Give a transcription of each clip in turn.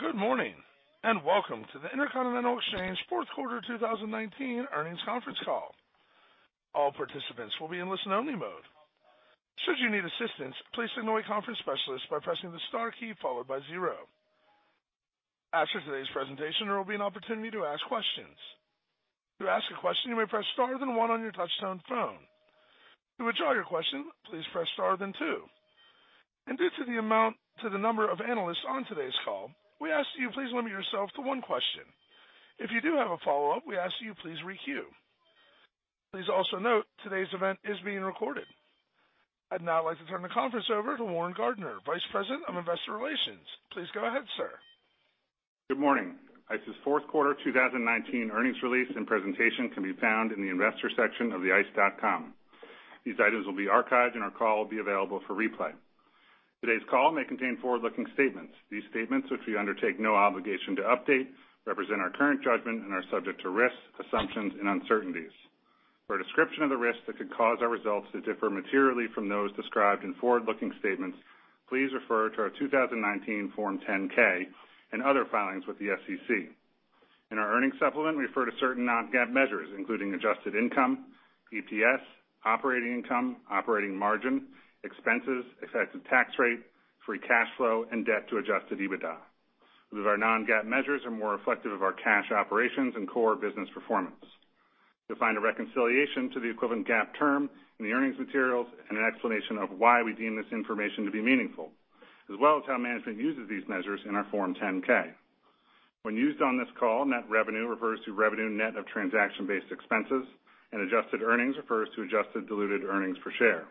Good morning, and welcome to the Intercontinental Exchange fourth quarter 2019 earnings conference call. All participants will be in listen-only mode. Should you need assistance, please signal a conference specialist by pressing the star key followed by zero. After today's presentation, there will be an opportunity to ask questions. To ask a question, you may press star, then one on your touch-tone phone. To withdraw your question, please press star, then two. Due to the number of analysts on today's call, we ask you please limit yourself to one question. If you do have a follow-up, we ask you please re-queue. Please also note, today's event is being recorded. I'd now like to turn the conference over to Warren Gardiner, Vice President of Investor Relations. Please go ahead, sir. Good morning. ICE's fourth quarter 2019 earnings release and presentation can be found in the investor section of ice.com. These items will be archived, and our call will be available for replay. Today's call may contain forward-looking statements. These statements, which we undertake no obligation to update, represent our current judgment and are subject to risks, assumptions, and uncertainties. For a description of the risks that could cause our results to differ materially from those described in forward-looking statements, please refer to our 2019 Form 10-K and other filings with the SEC. In our earnings supplement, we refer to certain non-GAAP measures, including adjusted income, EPS, operating income, operating margin, expenses, effective tax rate, free cash flow, and debt to Adjusted EBITDA. These are non-GAAP measures and more reflective of our cash operations and core business performance. You'll find a reconciliation to the equivalent GAAP term in the earnings materials and an explanation of why we deem this information to be meaningful, as well as how management uses these measures in our Form 10-K. When used on this call, net revenue refers to revenue net of transaction-based expenses, and adjusted earnings refers to adjusted diluted earnings per share.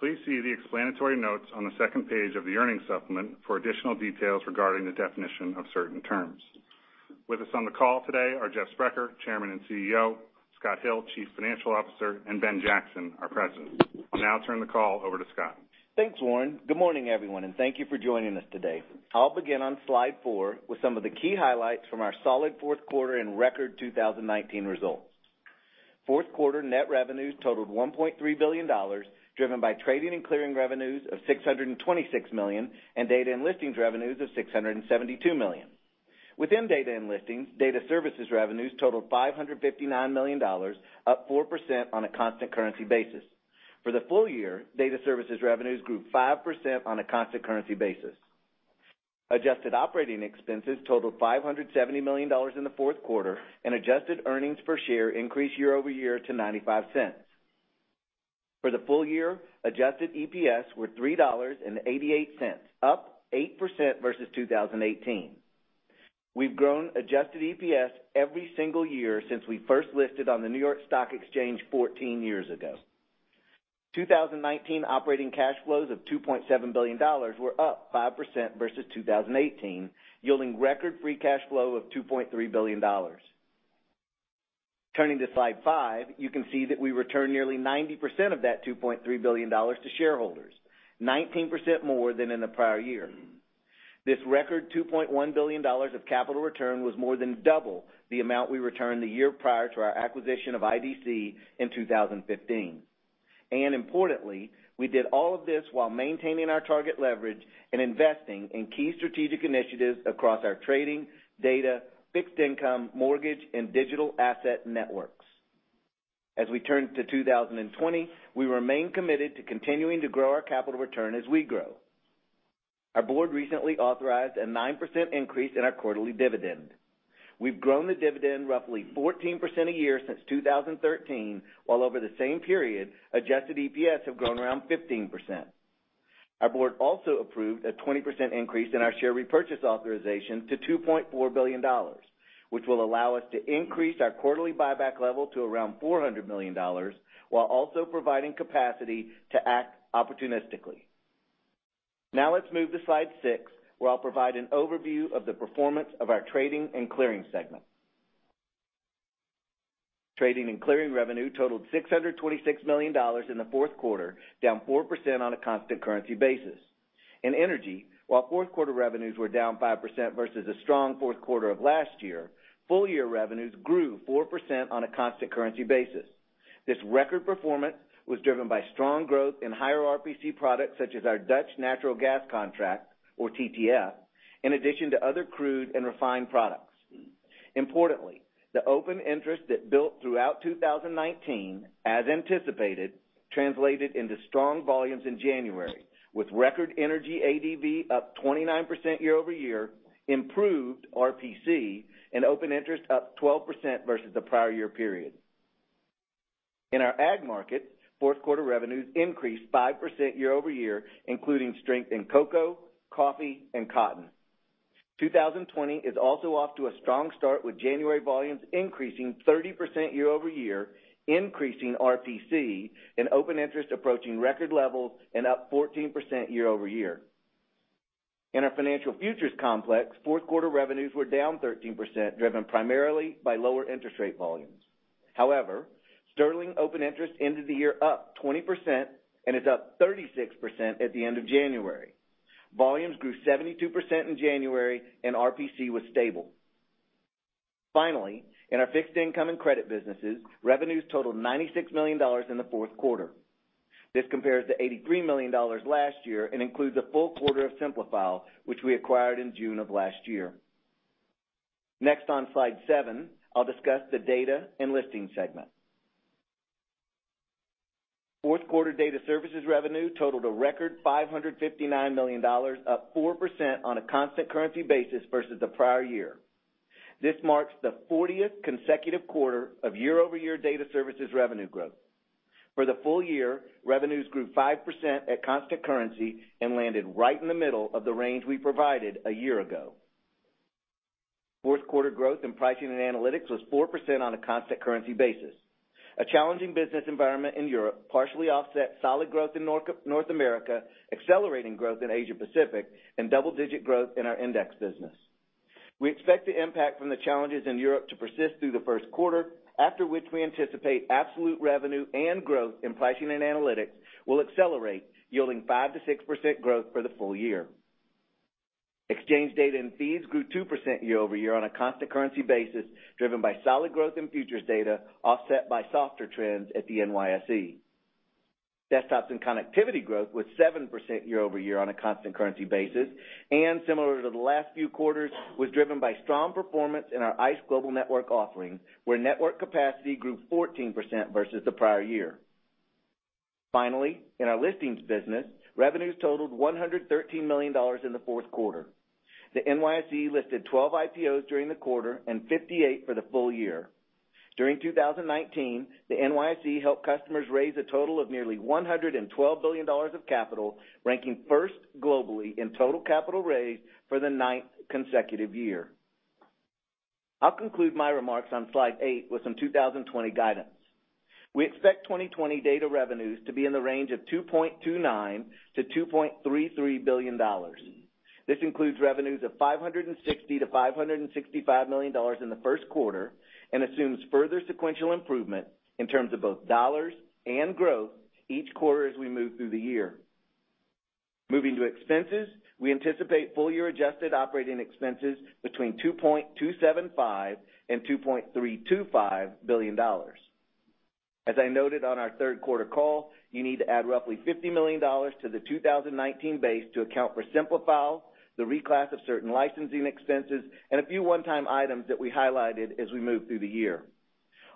Please see the explanatory notes on the second page of the earnings supplement for additional details regarding the definition of certain terms. With us on the call today are Jeff Sprecher, Chairman and CEO, Scott Hill, Chief Financial Officer, and Ben Jackson, our President. I'll now turn the call over to Scott. Thanks, Warren. Good morning, everyone, and thank you for joining us today. I'll begin on slide four with some of the key highlights from our solid fourth quarter and record 2019 results. Fourth quarter net revenues totaled $1.3 billion, driven by Trading and Clearing revenues of $626 million and Data and Listings revenues of $672 million. Within Data and Listings, Data Services revenues totaled $559 million, up 4% on a constant currency basis. For the full year, Data Services revenues grew 5% on a constant currency basis. Adjusted operating expenses totaled $570 million in the fourth quarter, and adjusted earnings per share increased year-over-year to $0.95. For the full year, adjusted EPS were $3.88, up 8% versus 2018. We've grown adjusted EPS every single year since we first listed on the New York Stock Exchange 14 years ago. 2019 operating cash flows of $2.7 billion were up 5% versus 2018, yielding record free cash flow of $2.3 billion. Turning to slide five, you can see that we returned nearly 90% of that $2.3 billion to shareholders, 19% more than in the prior year. This record $2.1 billion of capital return was more than double the amount we returned the year prior to our acquisition of IDC in 2015. Importantly, we did all of this while maintaining our target leverage and investing in key strategic initiatives across our trading, data, fixed income, mortgage, and digital asset networks. As we turn to 2020, we remain committed to continuing to grow our capital return as we grow. Our Board recently authorized a 9% increase in our quarterly dividend. We've grown the dividend roughly 14% a year since 2013, while over the same period, adjusted EPS have grown around 15%. Our Board also approved a 20% increase in our share repurchase authorization to $2.4 billion, which will allow us to increase our quarterly buyback level to around $400 million, while also providing capacity to act opportunistically. Now let's move to slide six, where I'll provide an overview of the performance of our Trading and Clearing segment. Trading and Clearing revenue totaled $626 million in the fourth quarter, down 4% on a constant currency basis. In Energy, while fourth quarter revenues were down 5% versus a strong fourth quarter of last year, full year revenues grew 4% on a constant currency basis. This record performance was driven by strong growth in higher RPC products such as our Dutch natural gas contract, or TTF, in addition to other crude and refined products. Importantly, the open interest that built throughout 2019, as anticipated, translated into strong volumes in January, with record energy ADV up 29% year-over-year, improved RPC, and open interest up 12% versus the prior year period. In our Ag market, fourth quarter revenues increased 5% year-over-year, including strength in cocoa, coffee, and cotton. 2020 is also off to a strong start with January volumes increasing 30% year-over-year, increasing RPC, and open interest approaching record levels and up 14% year-over-year. In our Financial Futures Complex, fourth quarter revenues were down 13%, driven primarily by lower interest rate volumes. However, sterling open interest ended the year up 20% and is up 36% at the end of January. Volumes grew 72% in January and RPC was stable. Finally, in our Fixed Income and Credit businesses, revenues totaled $96 million in the fourth quarter. This compares to $83 million last year and includes a full quarter of Simplifile, which we acquired in June of last year. Next on slide seven, I'll discuss the Data and Listing Segment. Fourth quarter Data Services revenue totaled a record $559 million, up 4% on a constant currency basis versus the prior year. This marks the 40th consecutive quarter of year-over-year Data Services revenue growth. For the full year, revenues grew 5% at constant currency and landed right in the middle of the range we provided a year ago. Fourth quarter growth in Pricing and Analytics was 4% on a constant currency basis. A challenging business environment in Europe partially offset solid growth in North America, accelerating growth in Asia Pacific, and double-digit growth in our Index Business. We expect the impact from the challenges in Europe to persist through the first quarter, after which we anticipate absolute revenue and growth in Pricing and Analytics will accelerate, yielding 5%-6% growth for the full year. Exchange data and fees grew 2% year-over-year on a constant currency basis, driven by solid growth in futures data, offset by softer trends at the NYSE. Desktops and Connectivity growth was 7% year-over-year on a constant currency basis, and similar to the last few quarters, was driven by strong performance in our ICE Global Network offering, where network capacity grew 14% versus the prior year. Finally, in our Listings business, revenues totaled $113 million in the fourth quarter. The NYSE listed 12 IPOs during the quarter and 58 for the full year. During 2019, the NYSE helped customers raise a total of nearly $112 billion of capital, ranking first globally in total capital raised for the ninth consecutive year. I'll conclude my remarks on slide eight with some 2020 guidance. We expect 2020 Data revenues to be in the range of $2.29 billion-$2.33 billion. This includes revenues of $560 million-$565 million in the first quarter and assumes further sequential improvement in terms of both dollars and growth each quarter as we move through the year. Moving to expenses, we anticipate full-year adjusted operating expenses between $2.275 billion and $2.325 billion. As I noted on our third quarter call, you need to add roughly $50 million to the 2019 base to account for Simplifile, the reclass of certain licensing expenses, and a few one-time items that we highlighted as we moved through the year.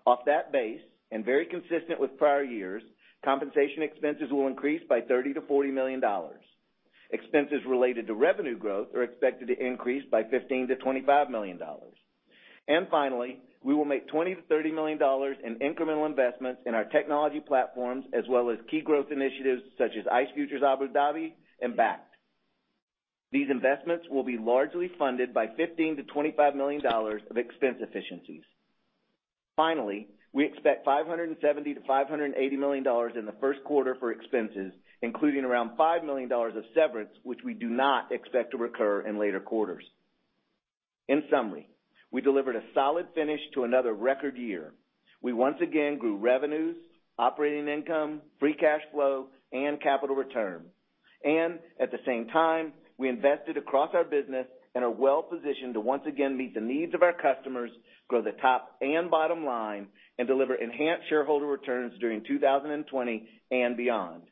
Off that base, and very consistent with prior years, compensation expenses will increase by $30 million-$40 million. Expenses related to revenue growth are expected to increase by $15 million-$25 million. Finally, we will make $20 million-$30 million in incremental investments in our technology platforms as well as key growth initiatives such as ICE Futures Abu Dhabi and Bakkt. These investments will be largely funded by $15 million-$25 million of expense efficiencies. Finally, we expect $570 million-$580 million in the first quarter for expenses, including around $5 million of severance, which we do not expect to recur in later quarters. In summary, we delivered a solid finish to another record year. We once again grew revenues, operating income, free cash flow, and capital return. At the same time, we invested across our business and are well-positioned to once again meet the needs of our customers, grow the top and bottom line, and deliver enhanced shareholder returns during 2020 and beyond.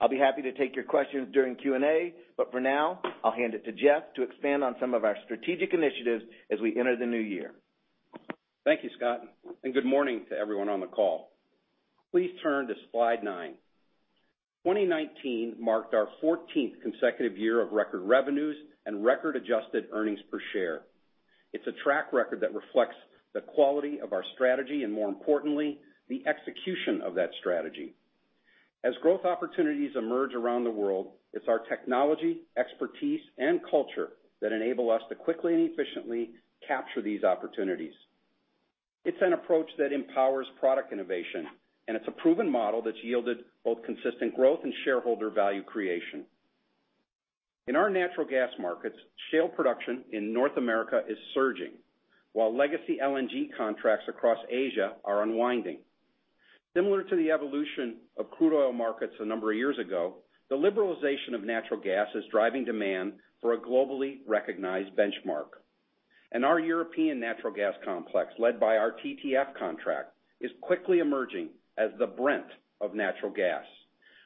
I'll be happy to take your questions during Q&A, but for now, I'll hand it to Jeff to expand on some of our strategic initiatives as we enter the new year. Thank you, Scott, and good morning to everyone on the call. Please turn to slide nine. 2019 marked our 14th consecutive year of record revenues and record adjusted earnings per share. It's a track record that reflects the quality of our strategy and more importantly, the execution of that strategy. As growth opportunities emerge around the world, it's our technology, expertise, and culture that enable us to quickly and efficiently capture these opportunities. It's an approach that empowers product innovation, and it's a proven model that's yielded both consistent growth and shareholder value creation. In our natural gas markets, shale production in North America is surging, while legacy LNG contracts across Asia are unwinding. Similar to the evolution of crude oil markets a number of years ago, the liberalization of natural gas is driving demand for a globally recognized benchmark. Our European natural gas complex, led by our TTF contract, is quickly emerging as the Brent of natural gas,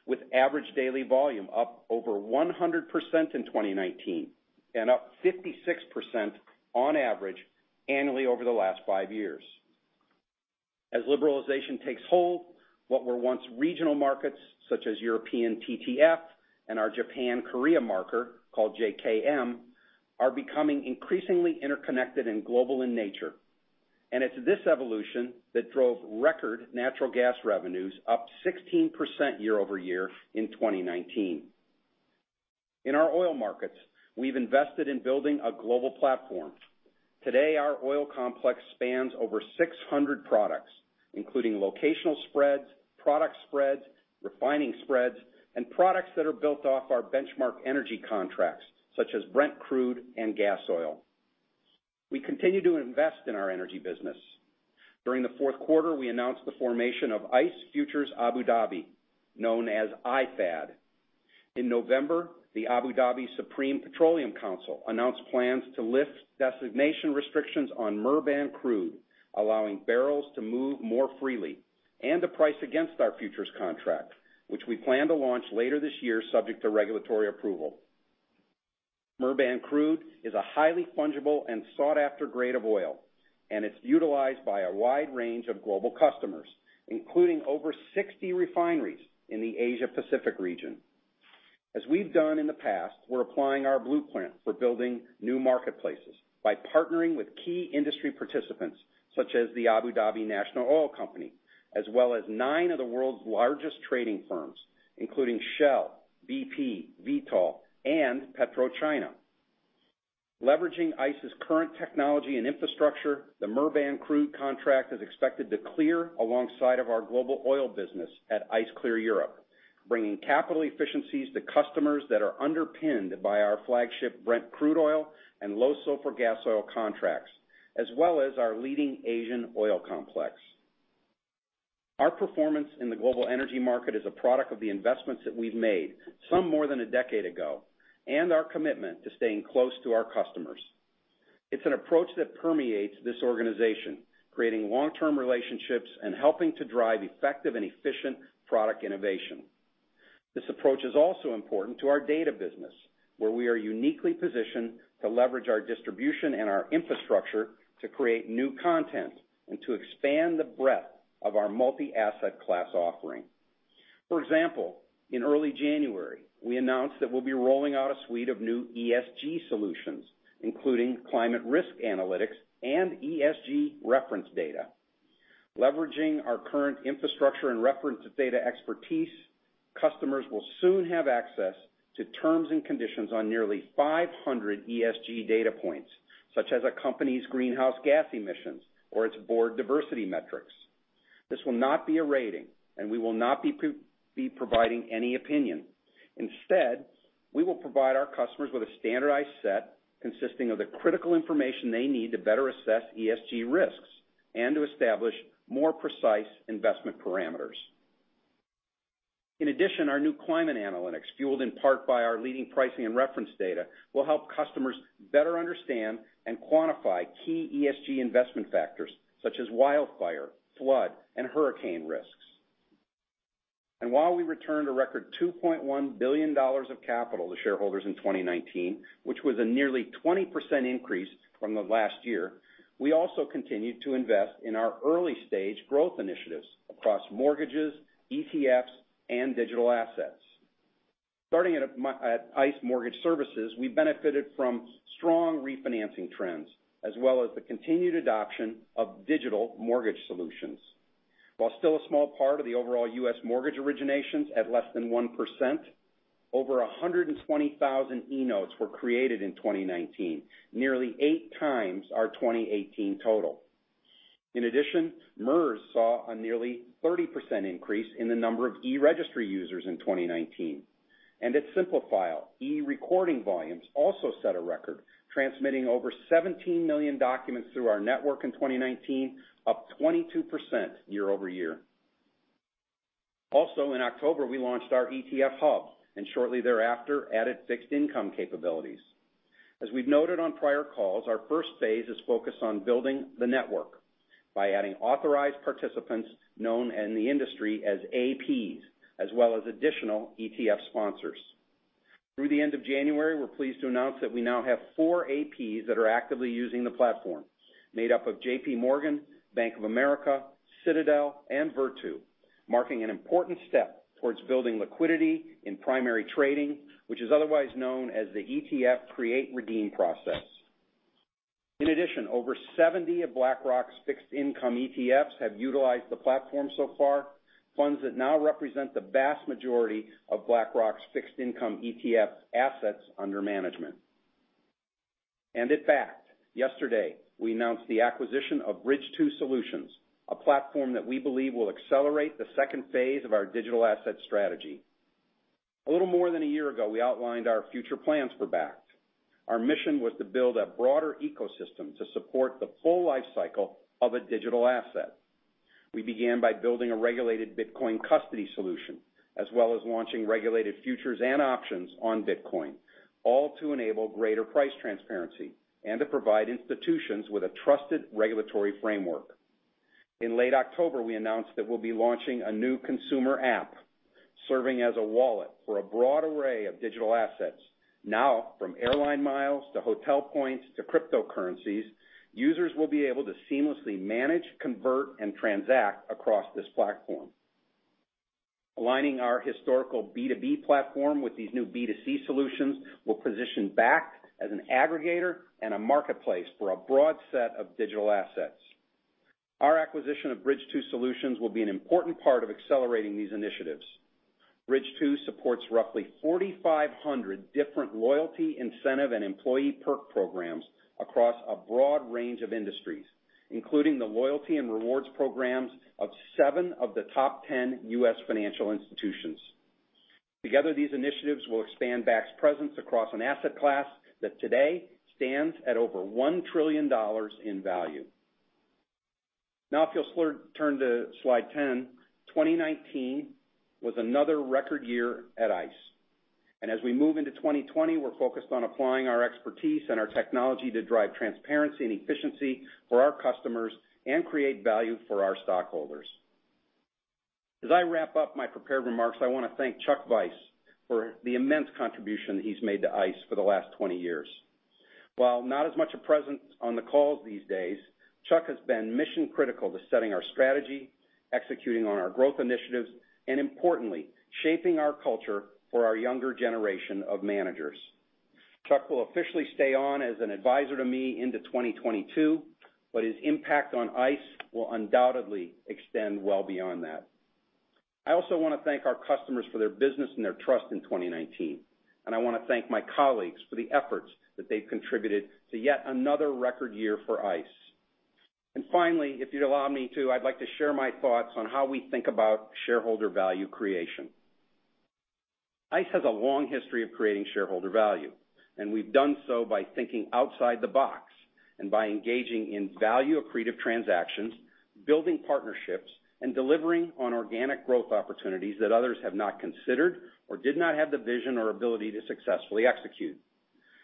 with average daily volume up over 100% in 2019 and up 56% on average annually over the last five years. As liberalization takes hold, what were once regional markets, such as European TTF and our Japan/Korea Marker, called JKM, are becoming increasingly interconnected and global in nature. It's this evolution that drove record natural gas revenues up 16% year-over-year in 2019. In our oil markets, we've invested in building a global platform. Today, our oil complex spans over 600 products, including locational spreads, product spreads, refining spreads, and products that are built off our benchmark energy contracts, such as Brent Crude and Gasoil. We continue to invest in our energy business. During the fourth quarter, we announced the formation of ICE Futures Abu Dhabi, known as IFAD. In November, the Abu Dhabi Supreme Petroleum Council announced plans to lift designation restrictions on Murban crude, allowing barrels to move more freely and to price against our futures contract, which we plan to launch later this year, subject to regulatory approval. Murban crude is a highly fungible and sought-after grade of oil, it's utilized by a wide range of global customers, including over 60 refineries in the Asia-Pacific region. As we've done in the past, we're applying our blueprint for building new marketplaces by partnering with key industry participants such as the Abu Dhabi National Oil Company, as well as nine of the world's largest trading firms, including Shell, BP, Vitol, and PetroChina. Leveraging ICE's current technology and infrastructure, the Murban crude contract is expected to clear alongside of our global oil business at ICE Clear Europe, bringing capital efficiencies to customers that are underpinned by our flagship Brent crude oil and low-sulfur Gasoil contracts, as well as our leading Asian oil complex. Our performance in the global energy market is a product of the investments that we've made, some more than a decade ago, and our commitment to staying close to our customers. It's an approach that permeates this organization, creating long-term relationships and helping to drive effective and efficient product innovation. This approach is also important to our data business, where we are uniquely-positioned to leverage our distribution and our infrastructure to create new content and to expand the breadth of our multi-asset class offering. For example, in early January, we announced that we'll be rolling out a suite of new ESG solutions, including climate risk analytics and ESG reference data. Leveraging our current infrastructure and reference data expertise, customers will soon have access to terms and conditions on nearly 500 ESG data points, such as a company's greenhouse gas emissions or its board diversity metrics. This will not be a rating, and we will not be providing any opinion. Instead, we will provide our customers with a standardized set consisting of the critical information they need to better assess ESG risks and to establish more precise investment parameters. In addition, our new climate analytics, fueled in part by our leading pricing and reference data, will help customers better understand and quantify key ESG investment factors such as wildfire, flood, and hurricane risks. While we returned a record $2.1 billion of capital to shareholders in 2019, which was a nearly 20% increase from the last year, we also continued to invest in our early-stage growth initiatives across mortgages, ETFs, and digital assets. Starting at ICE Mortgage Technology, we benefited from strong refinancing trends, as well as the continued adoption of digital mortgage solutions. While still a small part of the overall U.S. mortgage originations at less than 1%, over 120,000 eNotes were created in 2019, nearly eight times our 2018 total. In addition, MERS saw a nearly 30% increase in the number of eRegistry users in 2019. At Simplifile, eRecording volumes also set a record, transmitting over 17 million documents through our network in 2019, up 22% year-over-year. Also, in October, we launched our ETF Hub and shortly thereafter added fixed income capabilities. As we've noted on prior calls, our first phase is focused on building the network by adding authorized participants known in the industry as APs, as well as additional ETF sponsors. Through the end of January, we're pleased to announce that we now have four APs that are actively using the platform, made up of JPMorgan, Bank of America, Citadel, and Virtu, marking an important step towards building liquidity in primary trading, which is otherwise known as the ETF create-redeem process. Over 70 of BlackRock's fixed income ETFs have utilized the platform so far, funds that now represent the vast majority of BlackRock's fixed income ETF assets under management. At Bakkt, yesterday, we announced the acquisition of Bridge2 Solutions, a platform that we believe will accelerate the second phase of our digital asset strategy. A little more than a year ago, we outlined our future plans for Bakkt. Our mission was to build a broader ecosystem to support the full life cycle of a digital asset. We began by building a regulated Bitcoin custody solution, as well as launching regulated futures and options on Bitcoin, all to enable greater price transparency and to provide institutions with a trusted regulatory framework. In late October, we announced that we'll be launching a new consumer app, serving as a wallet for a broad array of digital assets. Now, from airline miles to hotel points to cryptocurrencies, users will be able to seamlessly manage, convert, and transact across this platform. Aligning our historical B2B platform with these new B2C solutions will position Bakkt as an aggregator and a marketplace for a broad set of digital assets. Our acquisition of Bridge2 Solutions will be an important part of accelerating these initiatives. Bridge2 supports roughly 4,500 different loyalty incentive and employee perk programs across a broad range of industries, including the loyalty and rewards programs of seven of the top 10 U.S. financial institutions. Together, these initiatives will expand Bakkt's presence across an asset class that today stands at over $1 trillion in value. If you'll turn to slide 10, 2019 was another record year at ICE. As we move into 2020, we're focused on applying our expertise and our technology to drive transparency and efficiency for our customers and create value for our stockholders. As I wrap up my prepared remarks, I want to thank Chuck Vice for the immense contribution that he's made to ICE for the last 20 years. While not as much a presence on the calls these days, Chuck has been mission critical to setting our strategy, executing on our growth initiatives, importantly, shaping our culture for our younger generation of managers. Chuck will officially stay on as an advisor to me into 2022, his impact on ICE will undoubtedly extend well beyond that. I also want to thank our customers for their business and their trust in 2019, I want to thank my colleagues for the efforts that they've contributed to yet another record year for ICE. Finally, if you'd allow me to, I'd like to share my thoughts on how we think about shareholder value creation. ICE has a long history of creating shareholder value, and we've done so by thinking outside the box and by engaging in value-accretive transactions, building partnerships, and delivering on organic growth opportunities that others have not considered or did not have the vision or ability to successfully execute.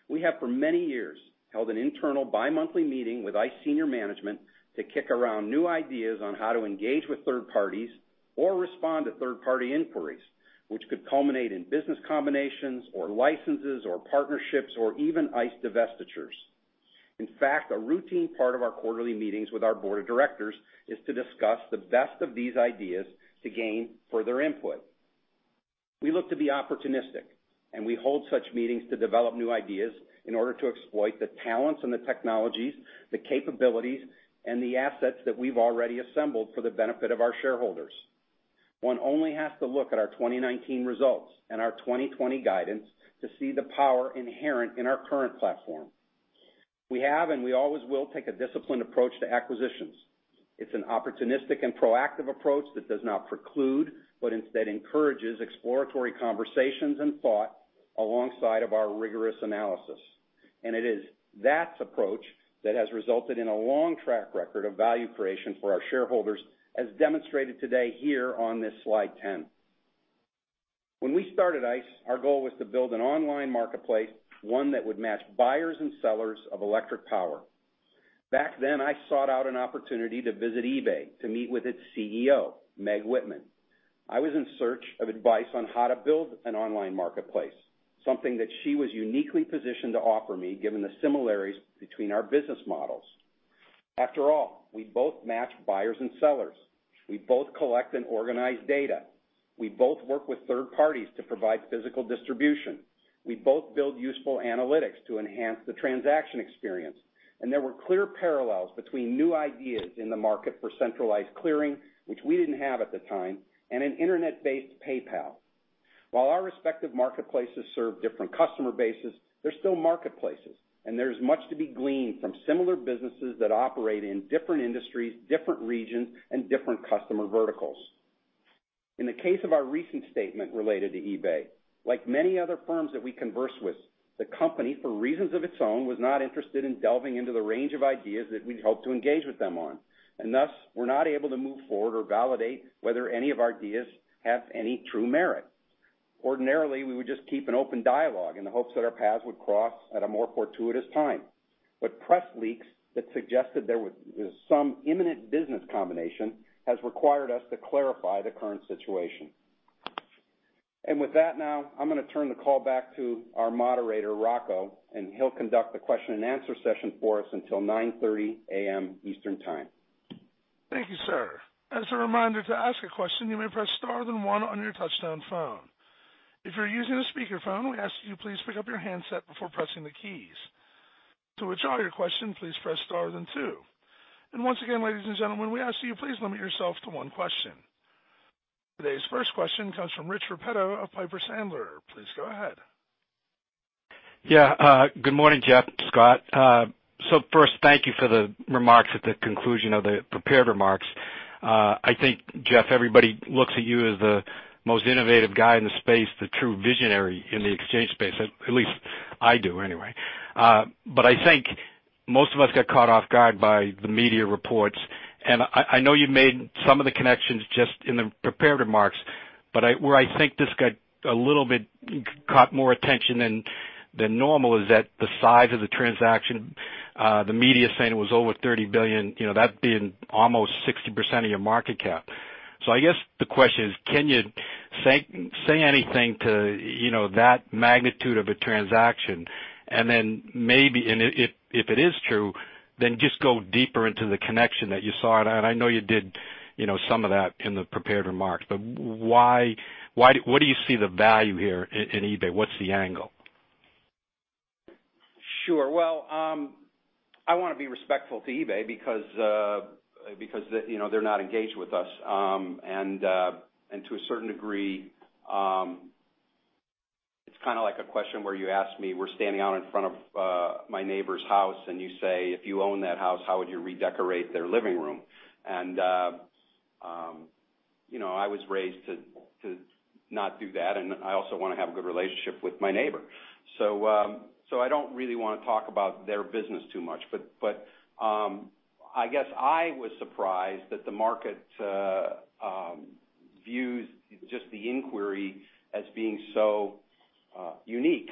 We have, for many years, held an internal bi-monthly meeting with ICE senior management to kick around new ideas on how to engage with third parties or respond to third-party inquiries, which could culminate in business combinations or licenses or partnerships, or even ICE divestitures. In fact, a routine part of our quarterly meetings with our Board of Directors is to discuss the best of these ideas to gain further input. We look to be opportunistic, and we hold such meetings to develop new ideas in order to exploit the talents and the technologies, the capabilities, and the assets that we've already assembled for the benefit of our shareholders. One only has to look at our 2019 results and our 2020 guidance to see the power inherent in our current platform. We have, and we always will take a disciplined approach to acquisitions. It's an opportunistic and proactive approach that does not preclude, but instead encourages exploratory conversations and thought alongside of our rigorous analysis. It is that approach that has resulted in a long track record of value creation for our shareholders, as demonstrated today here on this slide 10. When we started ICE, our goal was to build an online marketplace, one that would match buyers and sellers of electric power. Back then, I sought out an opportunity to visit eBay to meet with its CEO, Meg Whitman. I was in search of advice on how to build an online marketplace, something that she was uniquely-positioned to offer me, given the similarities between our business models. After all, we both match buyers and sellers. We both collect and organize data. We both work with third parties to provide physical distribution. We both build useful analytics to enhance the transaction experience. There were clear parallels between new ideas in the market for centralized clearing, which we didn't have at the time, and an internet-based PayPal. While our respective marketplaces serve different customer bases, they're still marketplaces, and there's much to be gleaned from similar businesses that operate in different industries, different regions, and different customer verticals. In the case of our recent statement related to eBay, like many other firms that we converse with, the company, for reasons of its own, was not interested in delving into the range of ideas that we'd hoped to engage with them on, and thus, were not able to move forward or validate whether any of our ideas have any true merit. Ordinarily, we would just keep an open dialogue in the hopes that our paths would cross at a more fortuitous time. Press leaks that suggested there was some imminent business combination has required us to clarify the current situation. With that now, I'm going to turn the call back to our moderator, Rocco, and he'll conduct the question and answer session for us until 9:30 A.M. Eastern Time. Thank you, sir. As a reminder, to ask a question, you may press star then one on your touchtone phone. If you're using a speakerphone, we ask that you please pick up your handset before pressing the keys. To withdraw your question, please press star then two. Once again, ladies and gentlemen, we ask that you please limit yourself to one question. Today's first question comes from Rich Repetto of Piper Sandler. Please go ahead. Yeah. Good morning, Jeff, Scott. First, thank you for the remarks at the conclusion of the prepared remarks. I think, Jeff, everybody looks at you as the most innovative guy in the space, the true visionary in the exchange space. At least I do anyway. I think most of us got caught off guard by the media reports. I know you've made some of the connections just in the prepared remarks, but where I think this got a little bit caught more attention than normal is that the size of the transaction, the media is saying it was over $30 billion, that being almost 60% of your market cap. I guess the question is, can you say anything to that magnitude of a transaction? Maybe if it is true, then just go deeper into the connection that you saw. I know you did some of that in the prepared remarks, but where do you see the value here in eBay? What's the angle? Well, I want to be respectful to eBay because they're not engaged with us. To a certain degree, it's like a question where you ask me, we're standing out in front of my neighbor's house, and you say, "If you own that house, how would you redecorate their living room?" I was raised to not do that, and I also want to have a good relationship with my neighbor. I don't really want to talk about their business too much. I guess I was surprised that the market views just the inquiry as being so unique.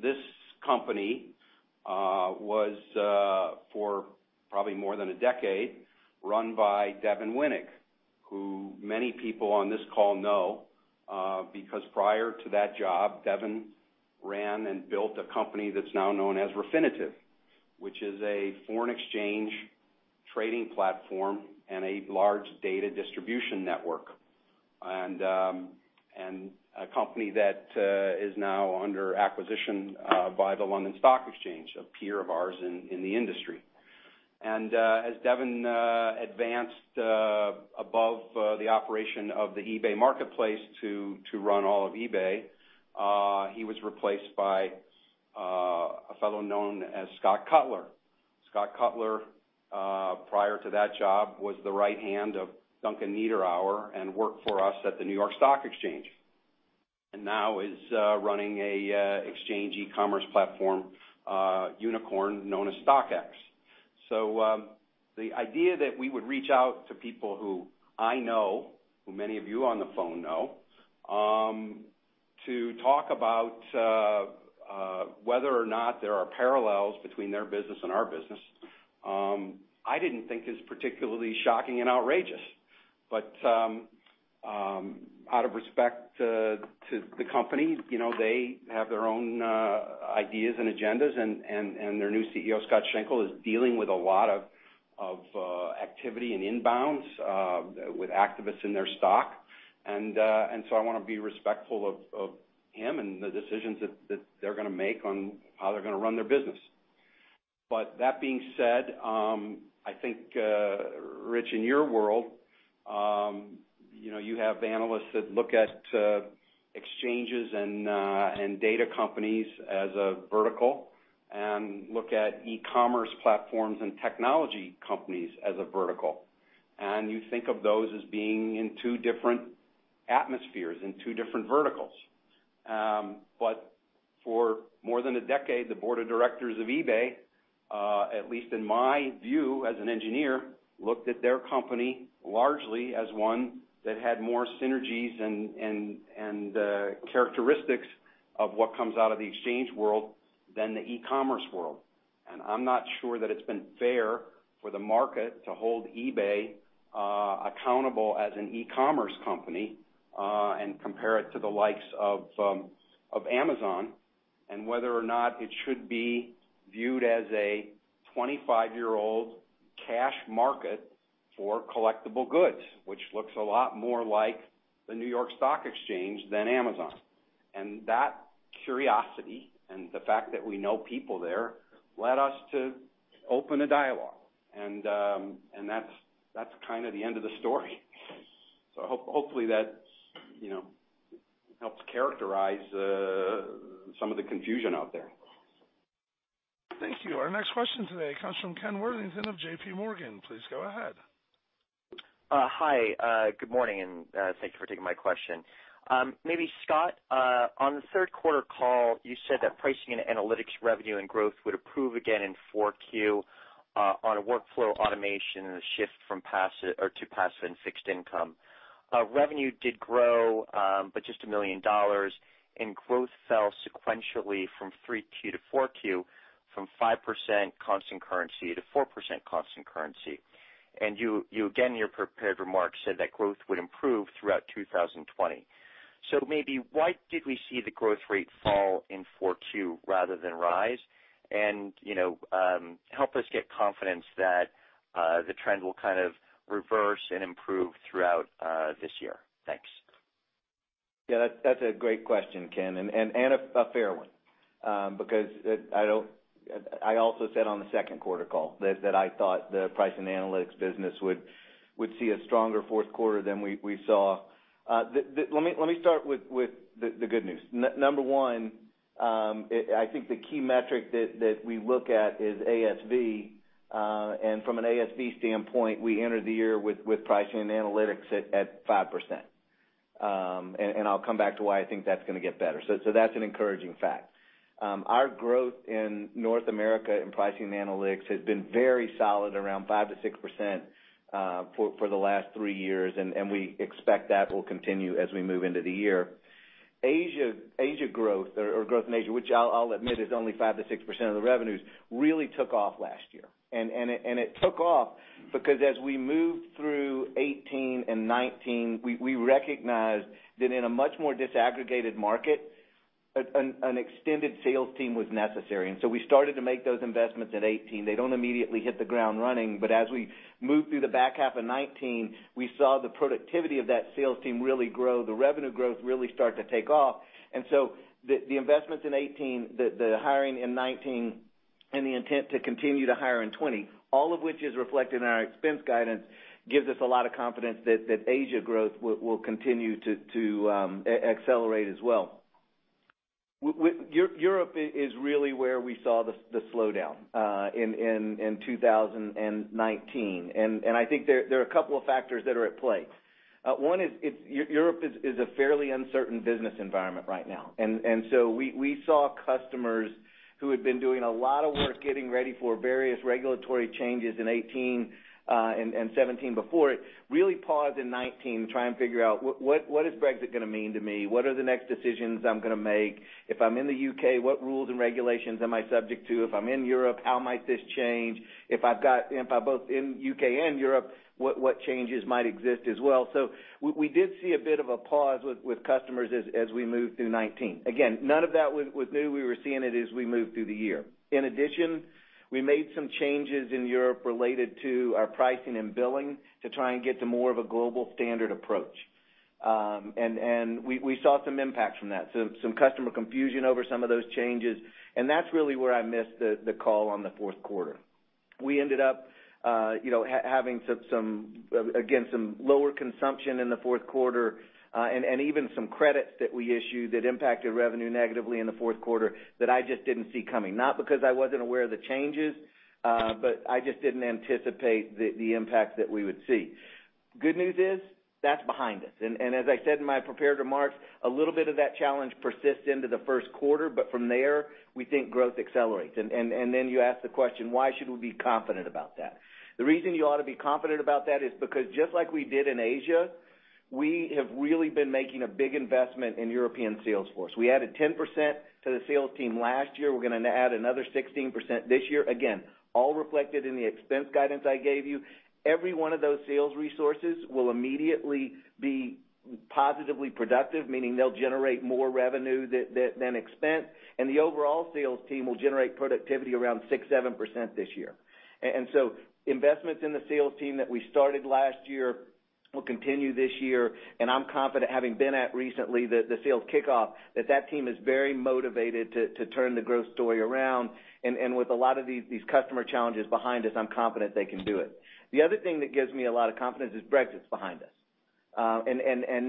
This company was for probably more than a decade, run by Devin Wenig, who many people on this call know because prior to that job, Devin ran and built a company that's now known as Refinitiv, which is a foreign exchange trading platform and a large data distribution network, a company that is now under acquisition by the London Stock Exchange, a peer of ours in the industry. As Devin advanced above the operation of the eBay marketplace to run all of eBay, he was replaced by a fellow known as Scott Cutler. Scott Cutler, prior to that job, was the right hand of Duncan Niederauer and worked for us at the New York Stock Exchange, and now is running an exchange e-commerce platform unicorn known as StockX. The idea that we would reach out to people who I know, who many of you on the phone know, to talk about whether or not there are parallels between their business and our business, I didn't think is particularly shocking and outrageous. Out of respect to the company, they have their own ideas and agendas, and their new CEO, Scott Schenkel, is dealing with a lot of activity and inbounds with activists in their stock. I want to be respectful of him and the decisions that they're going to make on how they're going to run their business. That being said, I think, Rich, in your world, you have analysts that look at exchanges and data companies as a vertical, and look at e-commerce platforms and technology companies as a vertical. You think of those as being in two different atmospheres, in two different verticals. For more than a decade, the Board of Directors of eBay, at least in my view as an engineer, looked at their company largely as one that had more synergies and characteristics of what comes out of the exchange world than the e-commerce world. I'm not sure that it's been fair for the market to hold eBay accountable as an e-commerce company and compare it to the likes of Amazon, and whether or not it should be viewed as a 25-year-old cash market for collectible goods, which looks a lot more like the New York Stock Exchange than Amazon. That curiosity and the fact that we know people there led us to open a dialogue. That's kind of the end of the story. Hopefully that helps characterize some of the confusion out there. Thank you. Our next question today comes from Ken Worthington of JPMorgan. Please go ahead. Hi, good morning, and thank you for taking my question. Maybe Scott, on the third quarter call, you said that pricing and analytics revenue and growth would improve again in 4Q on a workflow automation and a shift to passive and fixed income. Revenue did grow, but just $1 million, and growth fell sequentially from 3Q to 4Q from 5% constant currency to 4% constant currency. You again, in your prepared remarks, said that growth would improve throughout 2020. Maybe why did we see the growth rate fall in 4Q rather than rise? Help us get confidence that the trend will kind of reverse and improve throughout this year. Thanks. Yeah, that's a great question, Ken, and a fair one. I also said on the second quarter call that I thought the Pricing and Analytics business would see a stronger fourth quarter than we saw. Let me start with the good news. Number one, I think the key metric that we look at is ASV. From an ASV standpoint, we entered the year with Pricing and Analytics at 5%. I'll come back to why I think that's going to get better. That's an encouraging fact. Our growth in North America in Pricing and Analytics has been very solid, around 5%-6% for the last three years, and we expect that will continue as we move into the year. Asia growth, or growth in Asia, which I'll admit is only 5%-6% of the revenues, really took off last year. It took off because as we moved through 2018 and 2019, we recognized that in a much more disaggregated market, an extended sales team was necessary. We started to make those investments in 2018. They don't immediately hit the ground running, but as we moved through the back half of 2019, we saw the productivity of that sales team really grow, the revenue growth really start to take off. The investments in 2018, the hiring in 2019, and the intent to continue to hire in 2020, all of which is reflected in our expense guidance, gives us a lot of confidence that Asia growth will continue to accelerate as well. Europe is really where we saw the slowdown in 2019. I think there are a couple of factors that are at play. One is Europe is a fairly uncertain business environment right now. We saw customers who had been doing a lot of work getting ready for various regulatory changes in 2018, and 2017 before, really pause in 2019 to try and figure out what is Brexit going to mean to me? What are the next decisions I'm going to make? If I'm in the U.K., what rules and regulations am I subject to? If I'm in Europe, how might this change? If I'm both in U.K. and Europe, what changes might exist as well? We did see a bit of a pause with customers as we moved through 2019. Again, none of that was new. We were seeing it as we moved through the year. In addition, we made some changes in Europe related to our pricing and billing to try and get to more of a global standard approach. We saw some impacts from that, so some customer confusion over some of those changes. That's really where I missed the call on the fourth quarter. We ended up having, again, some lower consumption in the fourth quarter. Even some credits that we issued that impacted revenue negatively in the fourth quarter that I just didn't see coming. Not because I wasn't aware of the changes, but I just didn't anticipate the impact that we would see. Good news is, that's behind us. As I said in my prepared remarks, a little bit of that challenge persists into the first quarter. From there, we think growth accelerates. You ask the question, why should we be confident about that? The reason you ought to be confident about that is because just like we did in Asia, we have really been making a big investment in European sales force. We added 10% to the sales team last year. We're going to add another 16% this year. Again, all reflected in the expense guidance I gave you. Every one of those sales resources will immediately be positively productive, meaning they'll generate more revenue than expense, and the overall sales team will generate productivity around 6%, 7% this year. Investments in the sales team that we started last year will continue this year, and I'm confident, having been at recently the sales kickoff, that that team is very motivated to turn the growth story around, and with a lot of these customer challenges behind us, I'm confident they can do it. The other thing that gives me a lot of confidence is Brexit's behind us.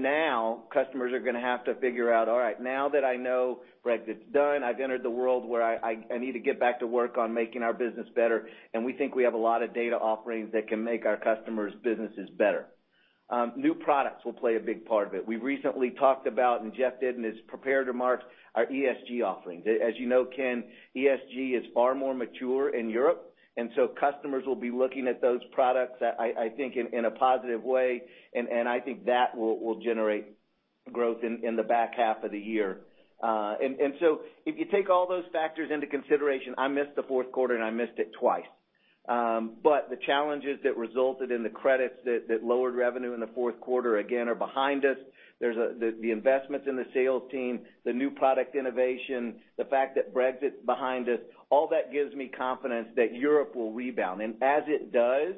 Now customers are going to have to figure out, all right, now that I know Brexit's done, I've entered the world where I need to get back to work on making our business better, and we think we have a lot of data offerings that can make our customers' businesses better. New products will play a big part of it. We recently talked about, and Jeff did in his prepared remarks, our ESG offerings. As you know, Ken, ESG is far more mature in Europe, customers will be looking at those products, I think, in a positive way, and I think that will generate growth in the back half of the year. If you take all those factors into consideration, I missed the fourth quarter and I missed it twice. The challenges that resulted in the credits that lowered revenue in the fourth quarter, again, are behind us. There's the investments in the sales team, the new product innovation, the fact that Brexit's behind us. All that gives me confidence that Europe will rebound. As it does,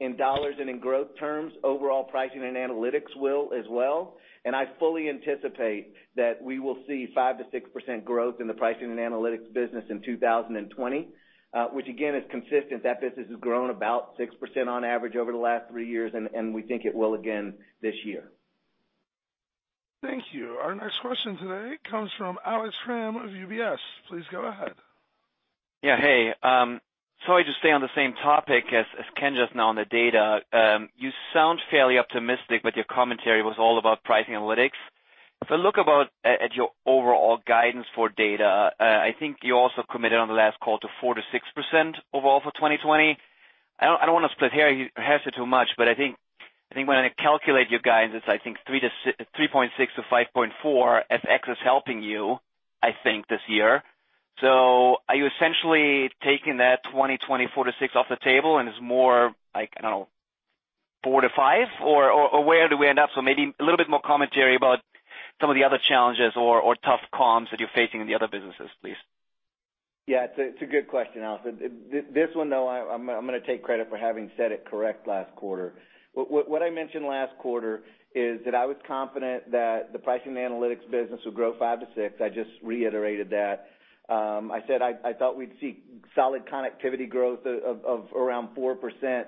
in dollars and in growth terms, overall Pricing and Analytics will as well. I fully anticipate that we will see 5%-6% growth in the Pricing and Analytics business in 2020, which again, is consistent. That business has grown about 6% on average over the last three years, and we think it will again this year. Thank you. Our next question today comes from Alex Kramm of UBS. Please go ahead. Yeah. Hey, to stay on the same topic as Ken just now on the data, you sound fairly optimistic, but your commentary was all about Pricing Analytics. If I look at your overall guidance for data, I think you also committed on the last call to 4%-6% overall for 2020. I don't want to split hairs here too much, when I calculate your guidance, it's 3.6%-5.4% as X is helping you, I think, this year. Are you essentially taking that 2020 4%-6% off the table and it's more like, I don't know, 4%-5%? Or where do we end up? Maybe a little bit more commentary about some of the other challenges or tough comps that you're facing in the other businesses, please. Yeah, it's a good question, Alex. This one, though, I'm going to take credit for having said it correct last quarter. What I mentioned last quarter is that I was confident that the Pricing Analytics business would grow 5%-6%. I just reiterated that. I said I thought we'd see solid connectivity growth of around 4%,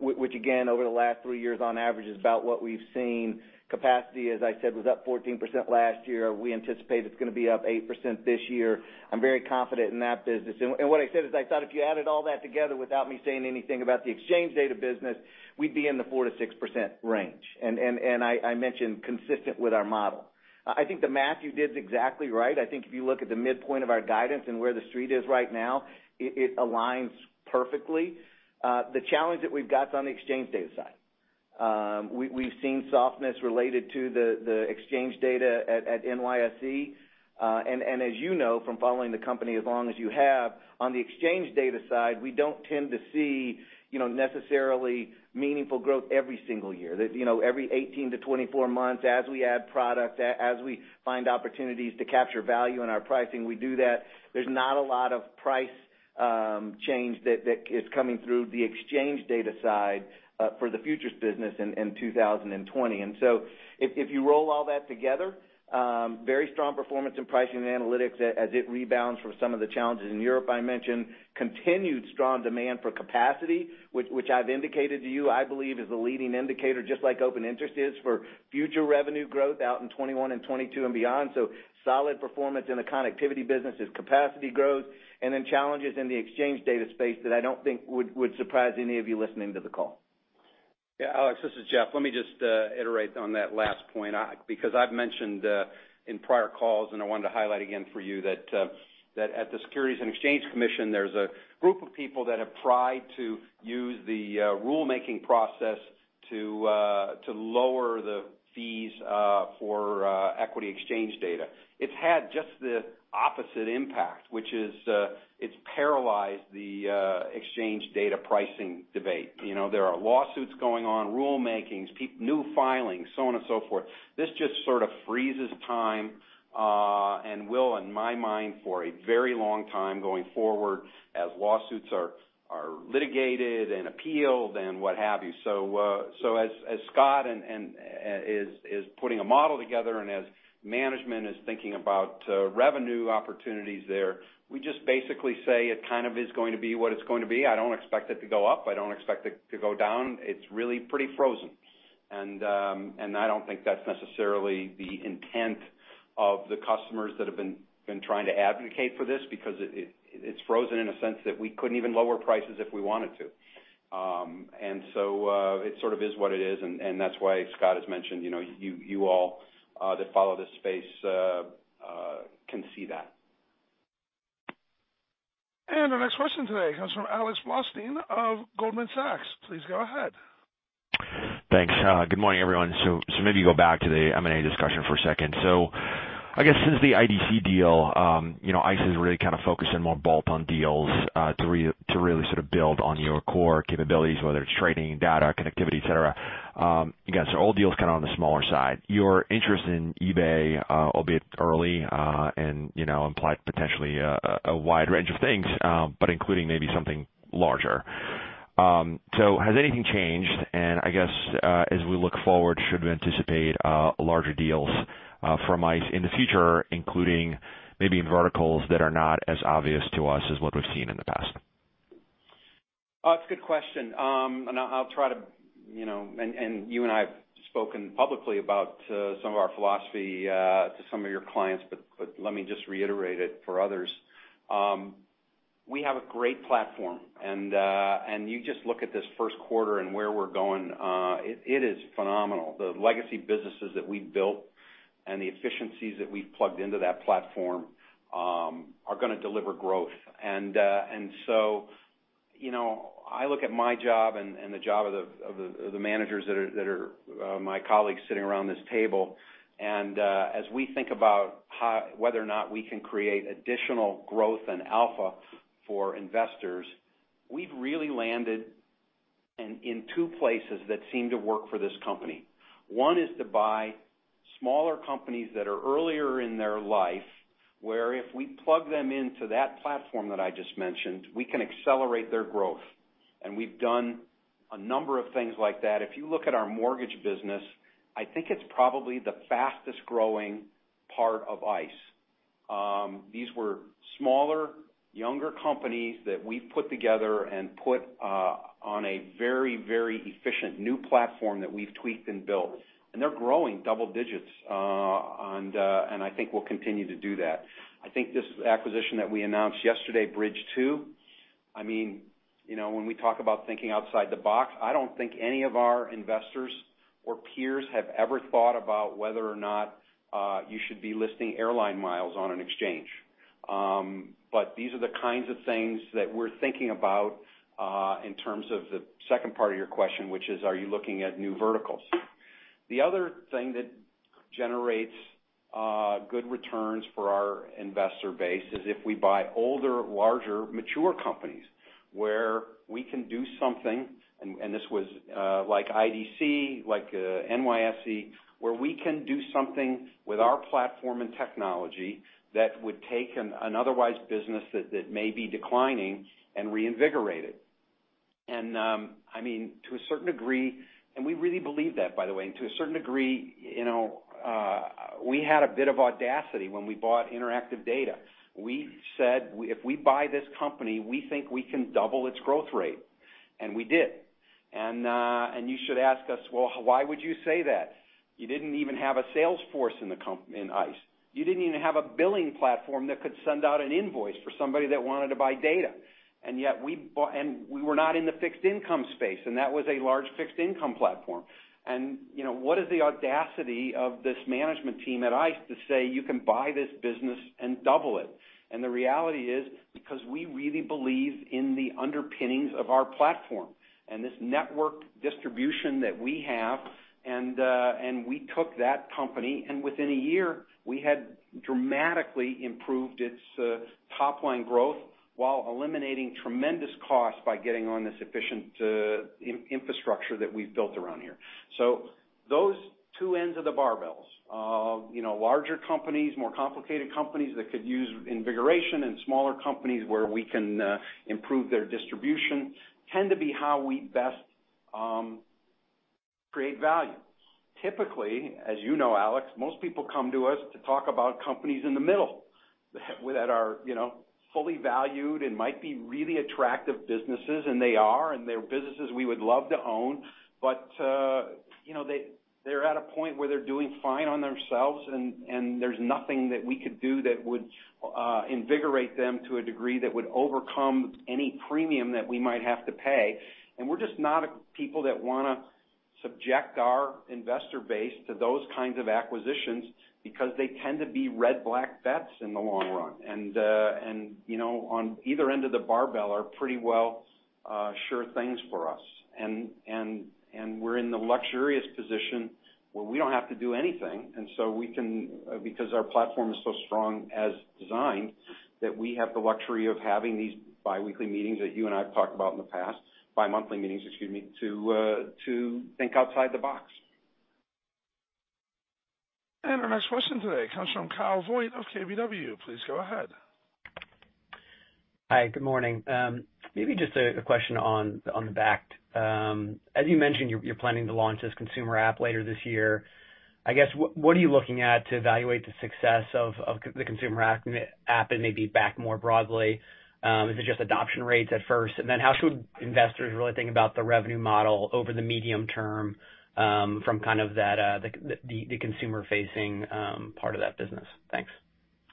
which again, over the last three years on average is about what we've seen. Capacity, as I said, was up 14% last year. We anticipate it's going to be up 8% this year. I'm very confident in that business. What I said is I thought if you added all that together without me saying anything about the exchange Data business, we'd be in the 4%-6% range. I mentioned consistent with our model. I think the math you did is exactly right. I think if you look at the midpoint of our guidance and where The Street is right now, it aligns perfectly. The challenge that we've got is on the exchange data side. We've seen softness related to the exchange data at NYSE. As you know from following the company as long as you have, on the exchange data side, we don't tend to see necessarily meaningful growth every single year. Every 18-24 months, as we add product, as we find opportunities to capture value in our pricing, we do that. There's not a lot of price change that is coming through the exchange data side for the futures business in 2020. If you roll all that together, very strong performance in Pricing and Analytics as it rebounds from some of the challenges in Europe I mentioned. Continued strong demand for capacity, which I've indicated to you I believe is the leading indicator, just like open interest is, for future revenue growth out in 2021 and 2022 and beyond. Solid performance in the connectivity business is capacity growth, and then challenges in the exchange data space that I don't think would surprise any of you listening to the call. Yeah, Alex, this is Jeff. Let me just iterate on that last point, because I've mentioned in prior calls, and I wanted to highlight again for you that at the Securities and Exchange Commission, there's a group of people that have tried to use the rule-making process to lower the fees for equity exchange data. It's had just the opposite impact, which is it's paralyzed the exchange data pricing debate. There are lawsuits going on, rule-makings, new filings, so on and so forth. This just sort of freezes time, and will, in my mind, for a very long time going forward as lawsuits are litigated and appealed and what have you. As Scott is putting a model together and as management is thinking about revenue opportunities there, we just basically say it kind of is going to be what it's going to be. I don't expect it to go up. I don't expect it to go down. It's really pretty frozen. I don't think that's necessarily the intent of the customers that have been trying to advocate for this, because it's frozen in a sense that we couldn't even lower prices if we wanted to. It sort of is what it is, and that's why Scott has mentioned, you all that follow this space can see that. Our next question today comes from Alex Blostein of Goldman Sachs. Please go ahead. Thanks. Good morning, everyone. Maybe go back to the M&A discussion for a second. I guess since the IDC deal, ICE has really kind of focused in more bolt-on deals to really sort of build on your core capabilities, whether it's trading, data, connectivity, et cetera. Again, so all deals kind of on the smaller side. Your interest in eBay, albeit early, and imply potentially a wide range of things, but including maybe something larger. Has anything changed? I guess, as we look forward, should we anticipate larger deals from ICE in the future, including maybe in verticals that are not as obvious to us as what we've seen in the past? It's a good question. You and I have spoken publicly about some of our philosophy to some of your clients, but let me just reiterate it for others. We have a great platform, and you just look at this first quarter and where we're going. It is phenomenal. The legacy businesses that we've built and the efficiencies that we've plugged into that platform are going to deliver growth. I look at my job and the job of the Managers that are my colleagues sitting around this table, and as we think about whether or not we can create additional growth and alpha for investors, we've really landed in two places that seem to work for this company. One is to buy smaller companies that are earlier in their life, where if we plug them into that platform that I just mentioned, we can accelerate their growth. We've done a number of things like that. If you look at our Mortgage business, I think it's probably the fastest-growing part of ICE. These were smaller, younger companies that we've put together and put on a very efficient new platform that we've tweaked and built, and they're growing double-digits, and I think will continue to do that. I think this acquisition that we announced yesterday, Bridge2, when we talk about thinking outside the box, I don't think any of our investors or peers have ever thought about whether or not you should be listing airline miles on an exchange. These are the kinds of things that we're thinking about in terms of the second part of your question, which is, are you looking at new verticals? The other thing that generates good returns for our investor base is if we buy older, larger, mature companies where we can do something, and this was like IDC, like NYSE, where we can do something with our platform and technology that would take an otherwise business that may be declining and reinvigorate it. We really believe that, by the way. To a certain degree, we had a bit of audacity when we bought Interactive Data. We said, "If we buy this company, we think we can double its growth rate." We did. You should ask us, "Well, why would you say that? You didn't even have a sales force in ICE. You didn't even have a billing platform that could send out an invoice for somebody that wanted to buy data. We were not in the fixed income space, and that was a large fixed-income platform. What is the audacity of this management team at ICE to say, "You can buy this business and double it"? The reality is because we really believe in the underpinnings of our platform and this network distribution that we have, and we took that company, and within a year, we had dramatically improved its top-line growth while eliminating tremendous costs by getting on this efficient infrastructure that we've built around here. Those two ends of the barbells. Larger companies, more complicated companies that could use invigoration and smaller companies where we can improve their distribution tend to be how we best create value. Typically, as you know, Alex, most people come to us to talk about companies in the middle, that are fully valued and might be really attractive businesses, and they are, and they're businesses we would love to own. They're at a point where they're doing fine on themselves, and there's nothing that we could do that would invigorate them to a degree that would overcome any premium that we might have to pay. We're just not a people that want to subject our investor base to those kinds of acquisitions because they tend to be red-black bets in the long-run, and on either end of the barbell are pretty well sure things for us. We're in the luxurious position where we don't have to do anything. Because our platform is so strong as designed, that we have the luxury of having these biweekly meetings that you and I have talked about in the past, bimonthly meetings, excuse me, to think outside the box. Our next question today comes from Kyle Voigt of KBW. Please go ahead. Hi, good morning. Maybe just a question on the Bakkt. As you mentioned, you're planning to launch this consumer app later this year. I guess, what are you looking at to evaluate the success of the consumer app and maybe Bakkt more broadly? Is it just adoption rates at first? How should investors really think about the revenue model over the medium-term from the consumer-facing part of that business? Thanks.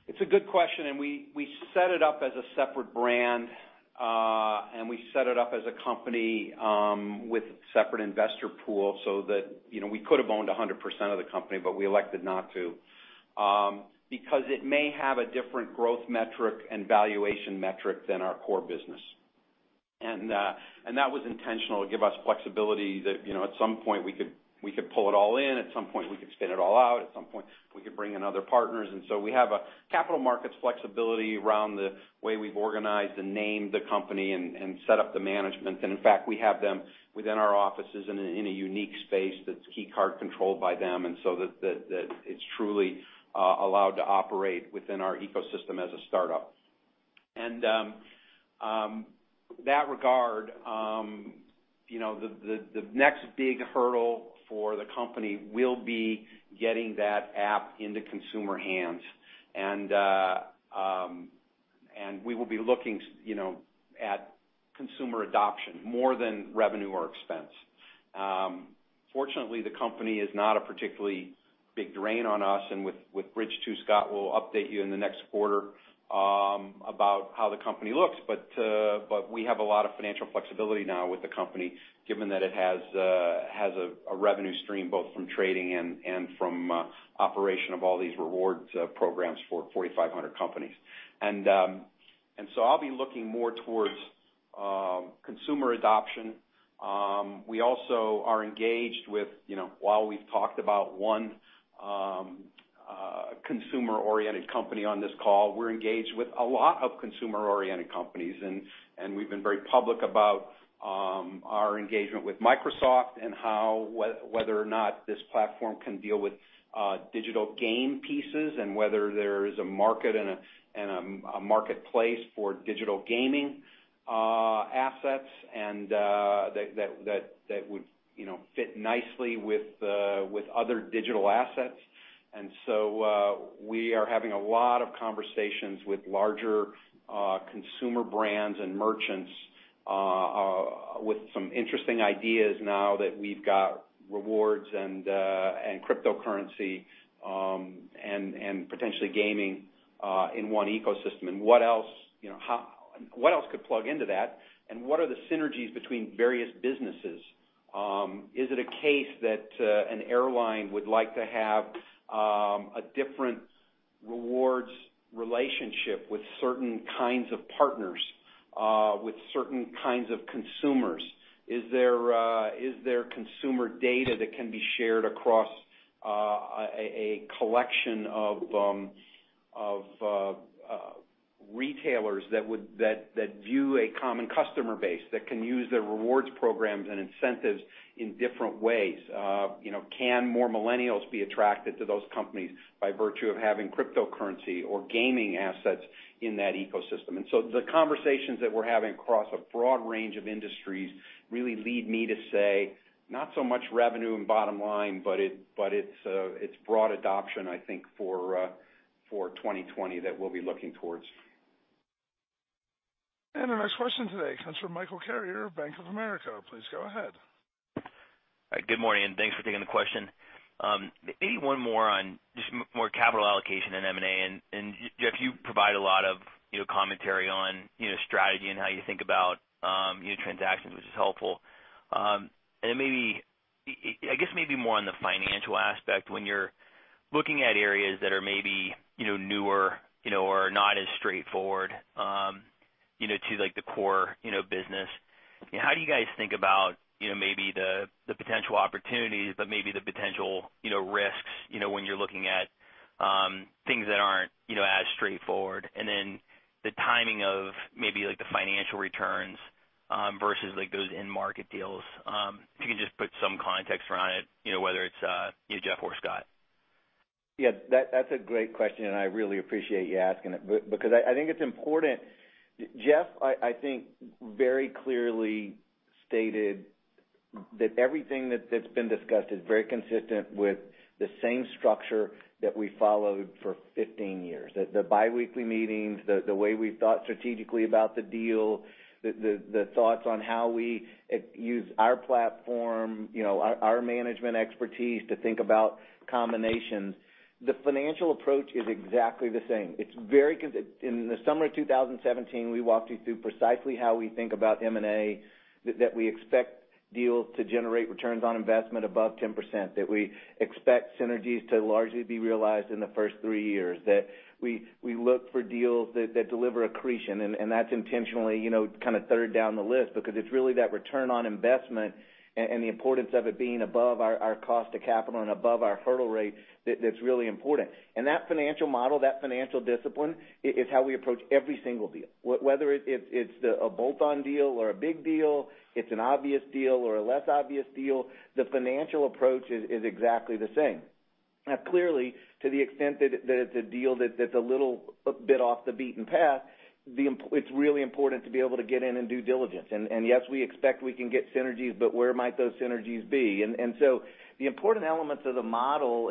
It's a good question. We set it up as a separate brand. We set it up as a company with separate investor pool so that we could have owned 100% of the company, but we elected not to. Because it may have a different growth metric and valuation metric than our core business. That was intentional to give us flexibility that at some point we could pull it all in, at some point we could spin it all out, at some point we could bring in other partners. We have a capital markets flexibility around the way we've organized and named the company and set up the management. In fact, we have them within our offices in a unique space that's key card controlled by them. That it's truly allowed to operate within our ecosystem as a startup. In that regard the next big hurdle for the company will be getting that app into consumer hands. We will be looking at consumer adoption more than revenue or expense. Fortunately, the company is not a particularly big drain on us and with Bridge2, Scott will update you in the next quarter about how the company looks. We have a lot of financial flexibility now with the company given that it has a revenue stream both from trading and from operation of all these rewards programs for 4,500 companies. I'll be looking more towards consumer adoption. We also are engaged with, while we've talked about one consumer-oriented company on this call, we're engaged with a lot of consumer-oriented companies and we've been very public about our engagement with Microsoft and how whether or not this platform can deal with digital game pieces and whether there is a market and a marketplace for digital gaming assets that would fit nicely with other digital assets. We are having a lot of conversations with larger consumer brands and merchants with some interesting ideas now that we've got rewards and cryptocurrency and potentially gaming in one ecosystem and what else could plug into that and what are the synergies between various businesses. Is it a case that an airline would like to have a different rewards relationship with certain kinds of partners, with certain kinds of consumers? Is there consumer data that can be shared across a collection of retailers that view a common customer base that can use their rewards programs and incentives in different ways? Can more millennials be attracted to those companies by virtue of having cryptocurrency or gaming assets in that ecosystem? The conversations that we're having across a broad range of industries really lead me to say not so much revenue and bottom line, but it's broad adoption I think for 2020 that we'll be looking towards. The next question today comes from Michael Carrier of Bank of America. Please go ahead. Good morning and thanks for taking the question. Maybe one more on just more capital allocation and M&A and Jeff you provide a lot of commentary on strategy and how you think about transactions which is helpful. Then maybe more on the financial aspect when you're looking at areas that are maybe newer or not as straightforward to the core business. How do you guys think about maybe the potential opportunities but maybe the potential risks when you're looking at things that aren't as straightforward and then the timing of maybe the financial returns versus those end market deals. If you can just put some context around it whether it's Jeff or Scott. Yeah. That's a great question and I really appreciate you asking it because I think it's important. Jeff I think very clearly stated. Everything that's been discussed is very consistent with the same structure that we followed for 15 years. The biweekly meetings, the way we've thought strategically about the deal, the thoughts on how we use our platform, our management expertise to think about combinations. The financial approach is exactly the same. In the summer of 2017, we walked you through precisely how we think about M&A, that we expect deals to generate returns on investment above 10%, that we expect synergies to largely be realized in the first three years, that we look for deals that deliver accretion, and that's intentionally kind of third down the list because it's really that return on investment and the importance of it being above our cost of capital and above our hurdle rate that's really important. That financial model, that financial discipline, is how we approach every single deal. Whether it's a bolt-on deal or a big deal, it's an obvious deal or a less obvious deal, the financial approach is exactly the same. Clearly, to the extent that it's a deal that's a little bit off the beaten path, it's really important to be able to get in and do diligence. Yes, we expect we can get synergies, but where might those synergies be? The important elements of the model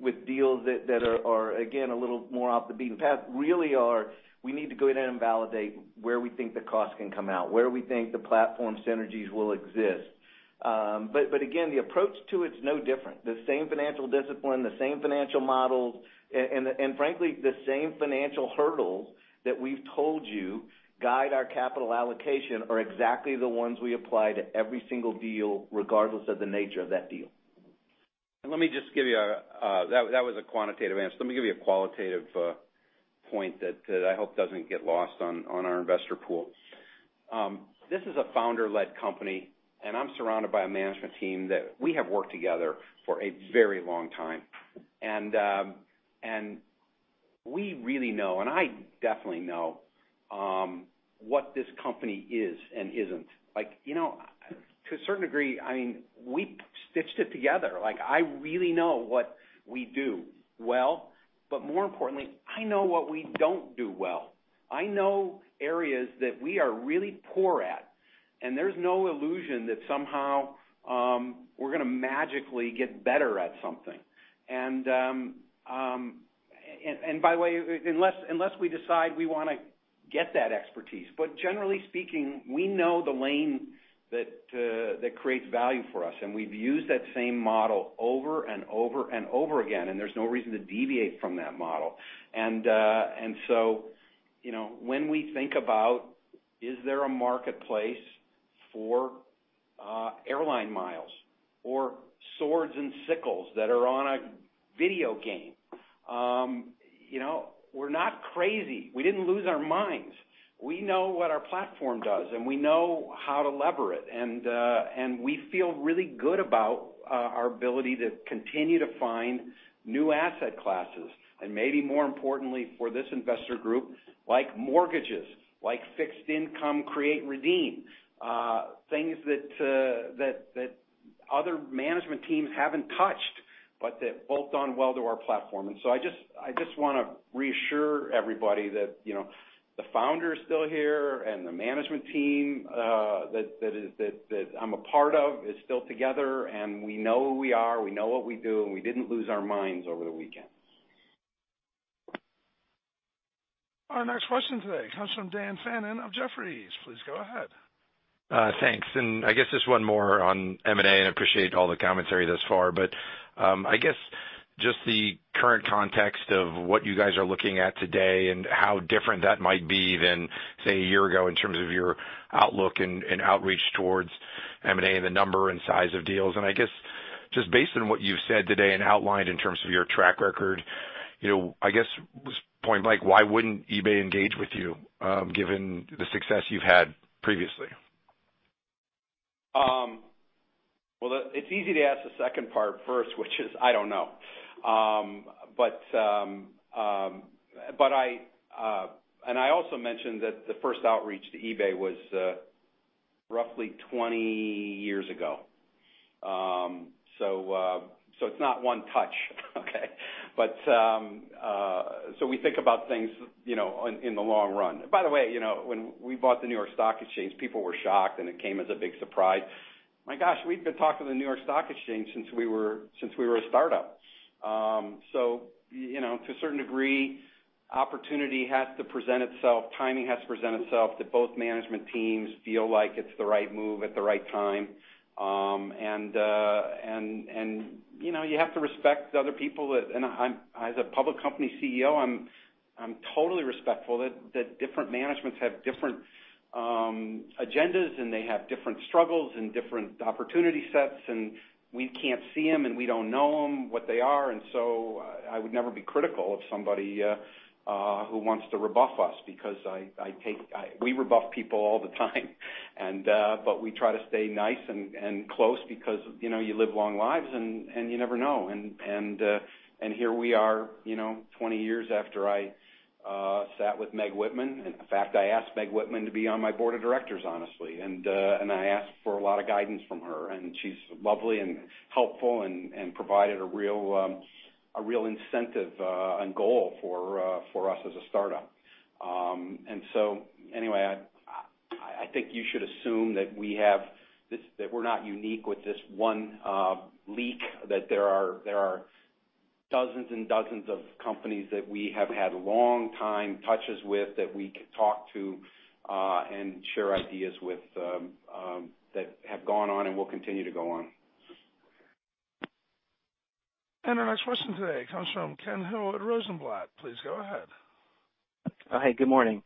with deals that are, again, a little more off the beaten path really are, we need to go in and validate where we think the cost can come out, where we think the platform synergies will exist. Again, the approach to it is no different. The same financial discipline, the same financial models, and frankly, the same financial hurdles that we've told you guide our capital allocation are exactly the ones we apply to every single deal, regardless of the nature of that deal. Let me just give you. That was a quantitative answer. Let me give you a qualitative point that I hope doesn't get lost on our investor pool. This is a founder-led company, and I'm surrounded by a management team that we have worked together for a very long time. We really know, and I definitely know, what this company is and isn't. To a certain degree, we stitched it together. I really know what we do well, but more importantly, I know what we don't do well. I know areas that we are really poor at, and there's no illusion that somehow, we're going to magically get better at something. By the way, unless we decide we want to get that expertise. Generally speaking, we know the lane that creates value for us, and we've used that same model over and over and over again, and there's no reason to deviate from that model. When we think about, is there a marketplace for airline miles or swords and sickles that are on a video game? We're not crazy. We didn't lose our minds. We know what our platform does, and we know how to lever it. We feel really good about our ability to continue to find new asset classes, and maybe more importantly for this investor group, like mortgages, like fixed income, create and redeem, things that other management teams haven't touched, but that bolt on well to our platform. I just want to reassure everybody that the Founder is still here and the management team that I'm a part of is still together. We know who we are. We know what we do. We didn't lose our minds over the weekend. Our next question today comes from Dan Fannon of Jefferies. Please go ahead. Thanks. I guess just one more on M&A, and I appreciate all the commentary thus far. I guess just the current context of what you guys are looking at today and how different that might be than, say, a year ago in terms of your outlook and outreach towards M&A and the number and size of deals. I guess, just based on what you've said today and outlined in terms of your track record, I guess this point, like, why wouldn't eBay engage with you, given the success you've had previously? It's easy to ask the second part first, which is, I don't know. I also mentioned that the first outreach to eBay was roughly 20 years ago. It's not one touch. Okay? We think about things in the long-run. When we bought the New York Stock Exchange, people were shocked, and it came as a big surprise. My gosh, we'd been talking to the New York Stock Exchange since we were a startup. To a certain degree, opportunity has to present itself, timing has to present itself, that both management teams feel like it's the right move at the right time. You have to respect other people. As a public company CEO, I'm totally respectful that different managements have different agendas, and they have different struggles and different opportunity sets, and we can't see them, and we don't know them, what they are. I would never be critical of somebody who wants to rebuff us because we rebuff people all the time. We try to stay nice and close because you live long lives, and you never know. Here we are 20 years after I sat with Meg Whitman. In fact, I asked Meg Whitman to be on my Board of Directors, honestly. I asked for a lot of guidance from her, and she's lovely and helpful and provided a real incentive and goal for us as a startup. I think you should assume that we're not unique with this one leak, that there are dozens and dozens of companies that we have had long time touches with that we could talk to and share ideas with, that have gone on and will continue to go on. Our next question today comes from Ken Hill at Rosenblatt. Please go ahead. Oh, hey, good morning.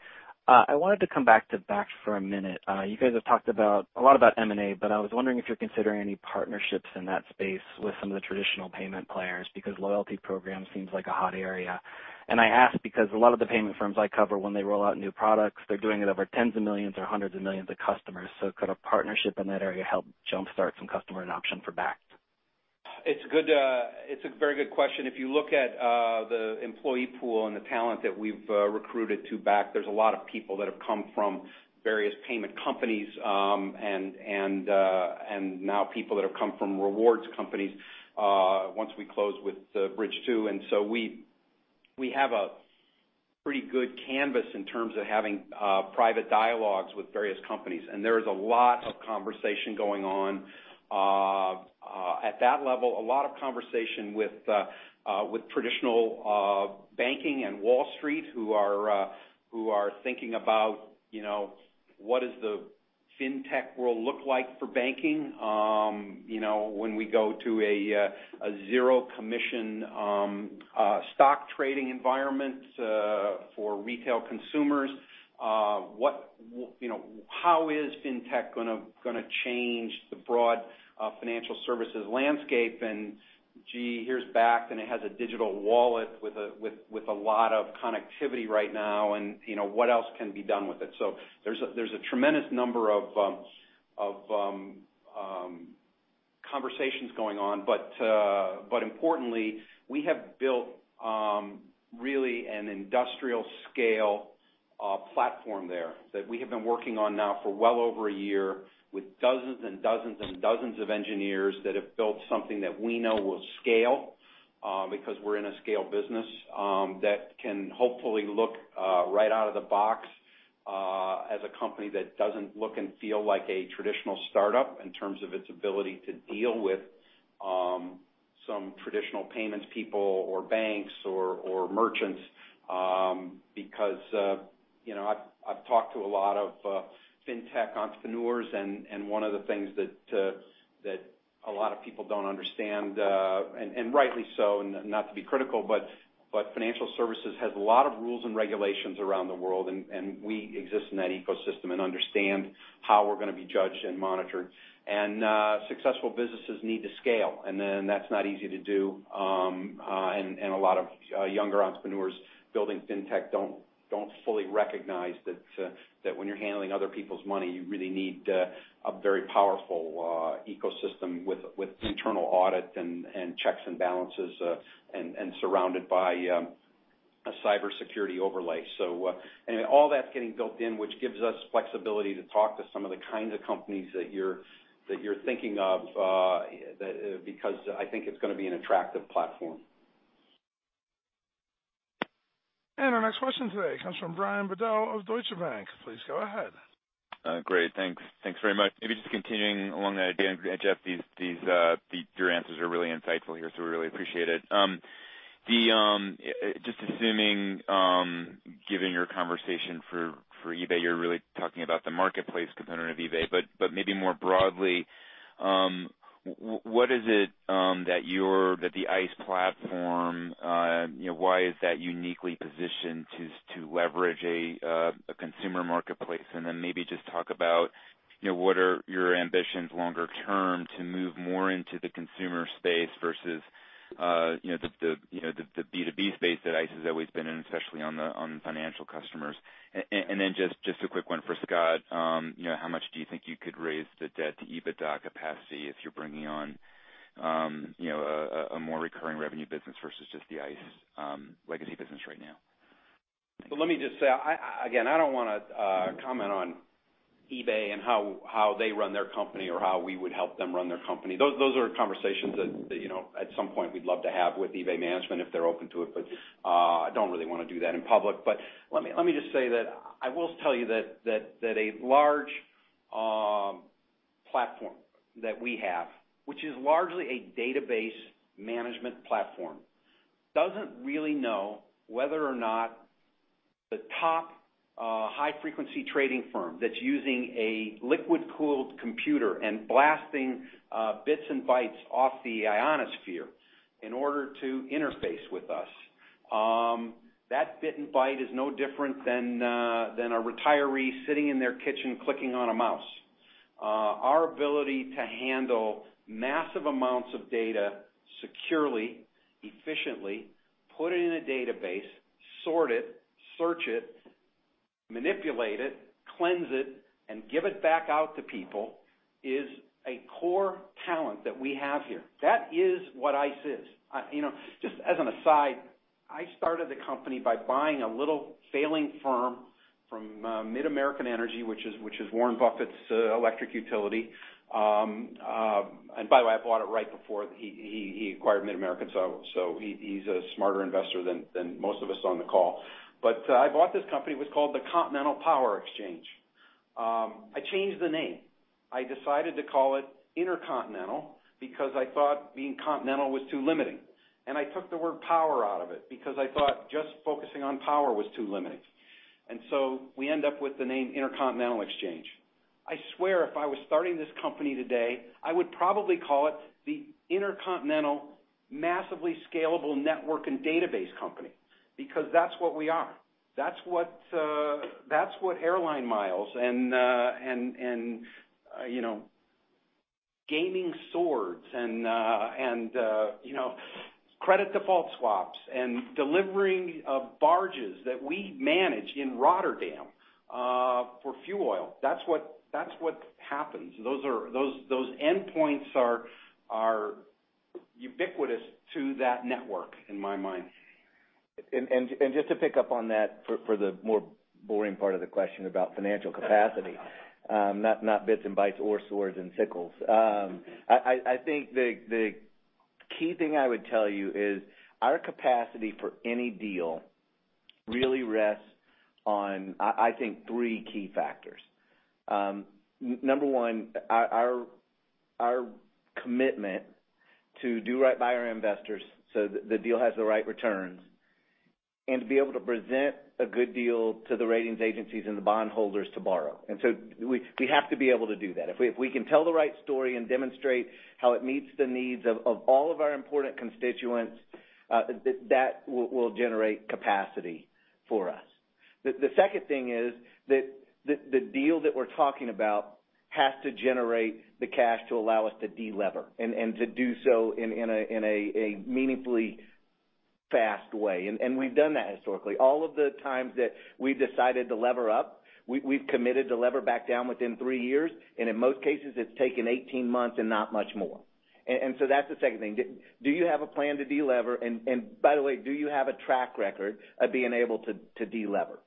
I wanted to come back to Bakkt for a minute. You guys have talked a lot about M&A, I was wondering if you're considering any partnerships in that space with some of the traditional payment players, because loyalty program seems like a hot area. I ask because a lot of the payment firms I cover, when they roll out new products, they're doing it over tens of millions or hundreds of millions of customers. Could a partnership in that area help jumpstart some customer adoption for Bakkt? It's a very good question. If you look at the employee pool and the talent that we've recruited to Bakkt, there's a lot of people that have come from various payment companies, and now people that have come from rewards companies once we close with Bridge2. We have a pretty good canvas in terms of having private dialogues with various companies. There is a lot of conversation going on at that level, a lot of conversation with traditional banking and Wall Street who are thinking about what does the fintech world look like for banking when we go to a zero commission stock trading environment for retail consumers. How is fintech going to change the broad financial services landscape? Gee, here's Bakkt, and it has a digital wallet with a lot of connectivity right now, and what else can be done with it? There's a tremendous number of conversations going on. Importantly, we have built really an industrial scale platform there that we have been working on now for well over a year with dozens and dozens and dozens of engineers that have built something that we know will scale because we're in a scale business that can hopefully look right out of the box as a company that doesn't look and feel like a traditional startup in terms of its ability to deal with some traditional payments people or banks or merchants. I've talked to a lot of fintech entrepreneurs, and one of the things that a lot of people don't understand, and rightly so, and not to be critical, but financial services has a lot of rules and regulations around the world, and we exist in that ecosystem and understand how we're going to be judged and monitored. Successful businesses need to scale. Then that's not easy to do. A lot of younger entrepreneurs building fintech don't fully recognize that when you're handling other people's money, you really need a very powerful ecosystem with internal audit and checks and balances, and surrounded by a cybersecurity overlay. All that's getting built in, which gives us flexibility to talk to some of the kinds of companies that you're thinking of because I think it's going to be an attractive platform. Our next question today comes from Brian Bedell of Deutsche Bank. Please go ahead. Great. Thanks very much. Maybe just continuing along that idea, Jeff, your answers are really insightful here, so we really appreciate it. Just assuming, given your conversation for eBay, you're really talking about the marketplace component of eBay, but maybe more broadly, what is it that the ICE platform, why is that uniquely-positioned to leverage a consumer marketplace? Maybe just talk about what are your ambitions longer-term to move more into the consumer space versus the B2B space that ICE has always been in, especially on the financial customers. Just a quick one for Scott. How much do you think you could raise the debt to EBITDA capacity if you're bringing on a more recurring revenue business versus just the ICE legacy business right now? Let me just say, again, I don't want to comment on eBay and how they run their company or how we would help them run their company. Those are conversations that at some point we'd love to have with eBay management if they're open to it, but I don't really want to do that in public. Let me just say that I will tell you that a large platform that we have, which is largely a database management platform, doesn't really know whether or not the top high frequency trading firm that's using a liquid cooled computer and blasting bits and bytes off the ionosphere in order to interface with us. That bit and byte is no different than a retiree sitting in their kitchen clicking on a mouse. Our ability to handle massive amounts of data securely, efficiently, put it in a database, sort it, search it, manipulate it, cleanse it, and give it back out to people is a core talent that we have here. That is what ICE is. Just as an aside, I started the company by buying a little failing firm from MidAmerican Energy, which is Warren Buffett's electric utility. By the way, I bought it right before he acquired MidAmerican. He's a smarter investor than most of us on the call. I bought this company, it was called the Continental Power Exchange. I changed the name. I decided to call it Intercontinental because I thought being continental was too limiting. I took the word power out of it because I thought just focusing on power was too limiting. We end up with the name Intercontinental Exchange. I swear, if I were starting this company today, I would probably call it the Intercontinental Massively Scalable Network and Database Company, because that's what we are. That's what airline miles and gaming swords and credit default swaps and delivering barges that we manage in Rotterdam for fuel oil. That's what happens. Those endpoints are ubiquitous to that network, in my mind. Just to pick up on that for the more boring part of the question about financial capacity, not bits and bytes or swords and sickles. I think the key thing I would tell you is our capacity for any deal really rests on, I think, three key factors. Number one, our commitment to do right by our investors so that the deal has the right returns, and to be able to present a good deal to the ratings agencies and the bondholders to borrow. We have to be able to do that. If we can tell the right story and demonstrate how it meets the needs of all of our important constituents, that will generate capacity for us. The second thing is that the deal that we're talking about has to generate the cash to allow us to de-lever, and to do so in a meaningfully fast way. We've done that historically. All of the times that we've decided to lever up, we've committed to lever back down within three years, and in most cases, it's taken 18 months and not much more. That's the second thing. Do you have a plan to de-lever? By the way, do you have a track record of being able to de-lever?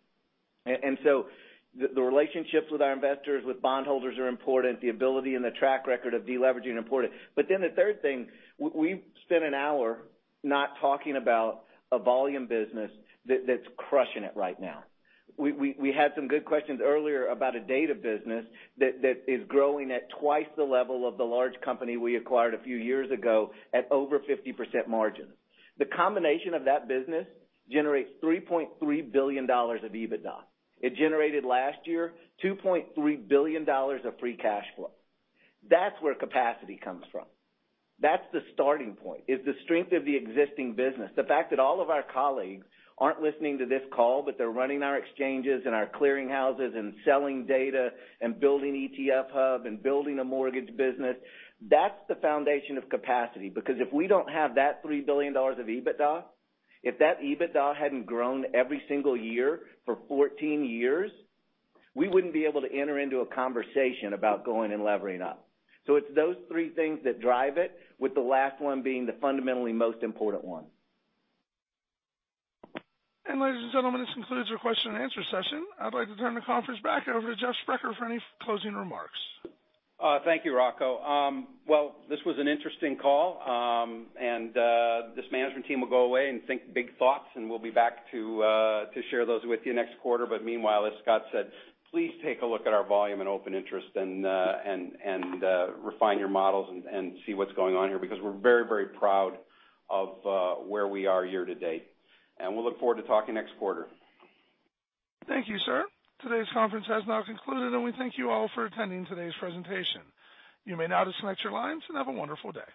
The relationships with our investors, with bondholders are important. The ability and the track record of de-leveraging are important. The third thing, we've spent an hour not talking about a volume business that's crushing it right now. We had some good questions earlier about a data business that is growing at twice the level of the large company we acquired a few years ago at over 50% margins. The combination of that business generates $3.3 billion of EBITDA. It generated last year $2.3 billion of free cash flow. That's where capacity comes from. That's the starting point, is the strength of the existing business. The fact that all of our colleagues aren't listening to this call, but they're running our exchanges and our clearing houses and selling data and building ETF Hub and building a mortgage business, that's the foundation of capacity. If we don't have that $3 billion of EBITDA, if that EBITDA hadn't grown every single year for 14 years, we wouldn't be able to enter into a conversation about going and levering up. It's those three things that drive it, with the last one being the fundamentally most important one. Ladies and gentlemen, this concludes our question and answer session. I'd like to turn the conference back over to Jeff Sprecher for any closing remarks. Thank you, Rocco. Well, this was an interesting call, and this management team will go away and think big thoughts, and we'll be back to share those with you next quarter. Meanwhile, as Scott said, please take a look at our volume and open interest and refine your models and see what's going on here, because we're very proud of where we are year-to-date. We'll look forward to talking next quarter. Thank you, sir. Today's conference has now concluded, and we thank you all for attending today's presentation. You may now disconnect your lines, and have a wonderful day.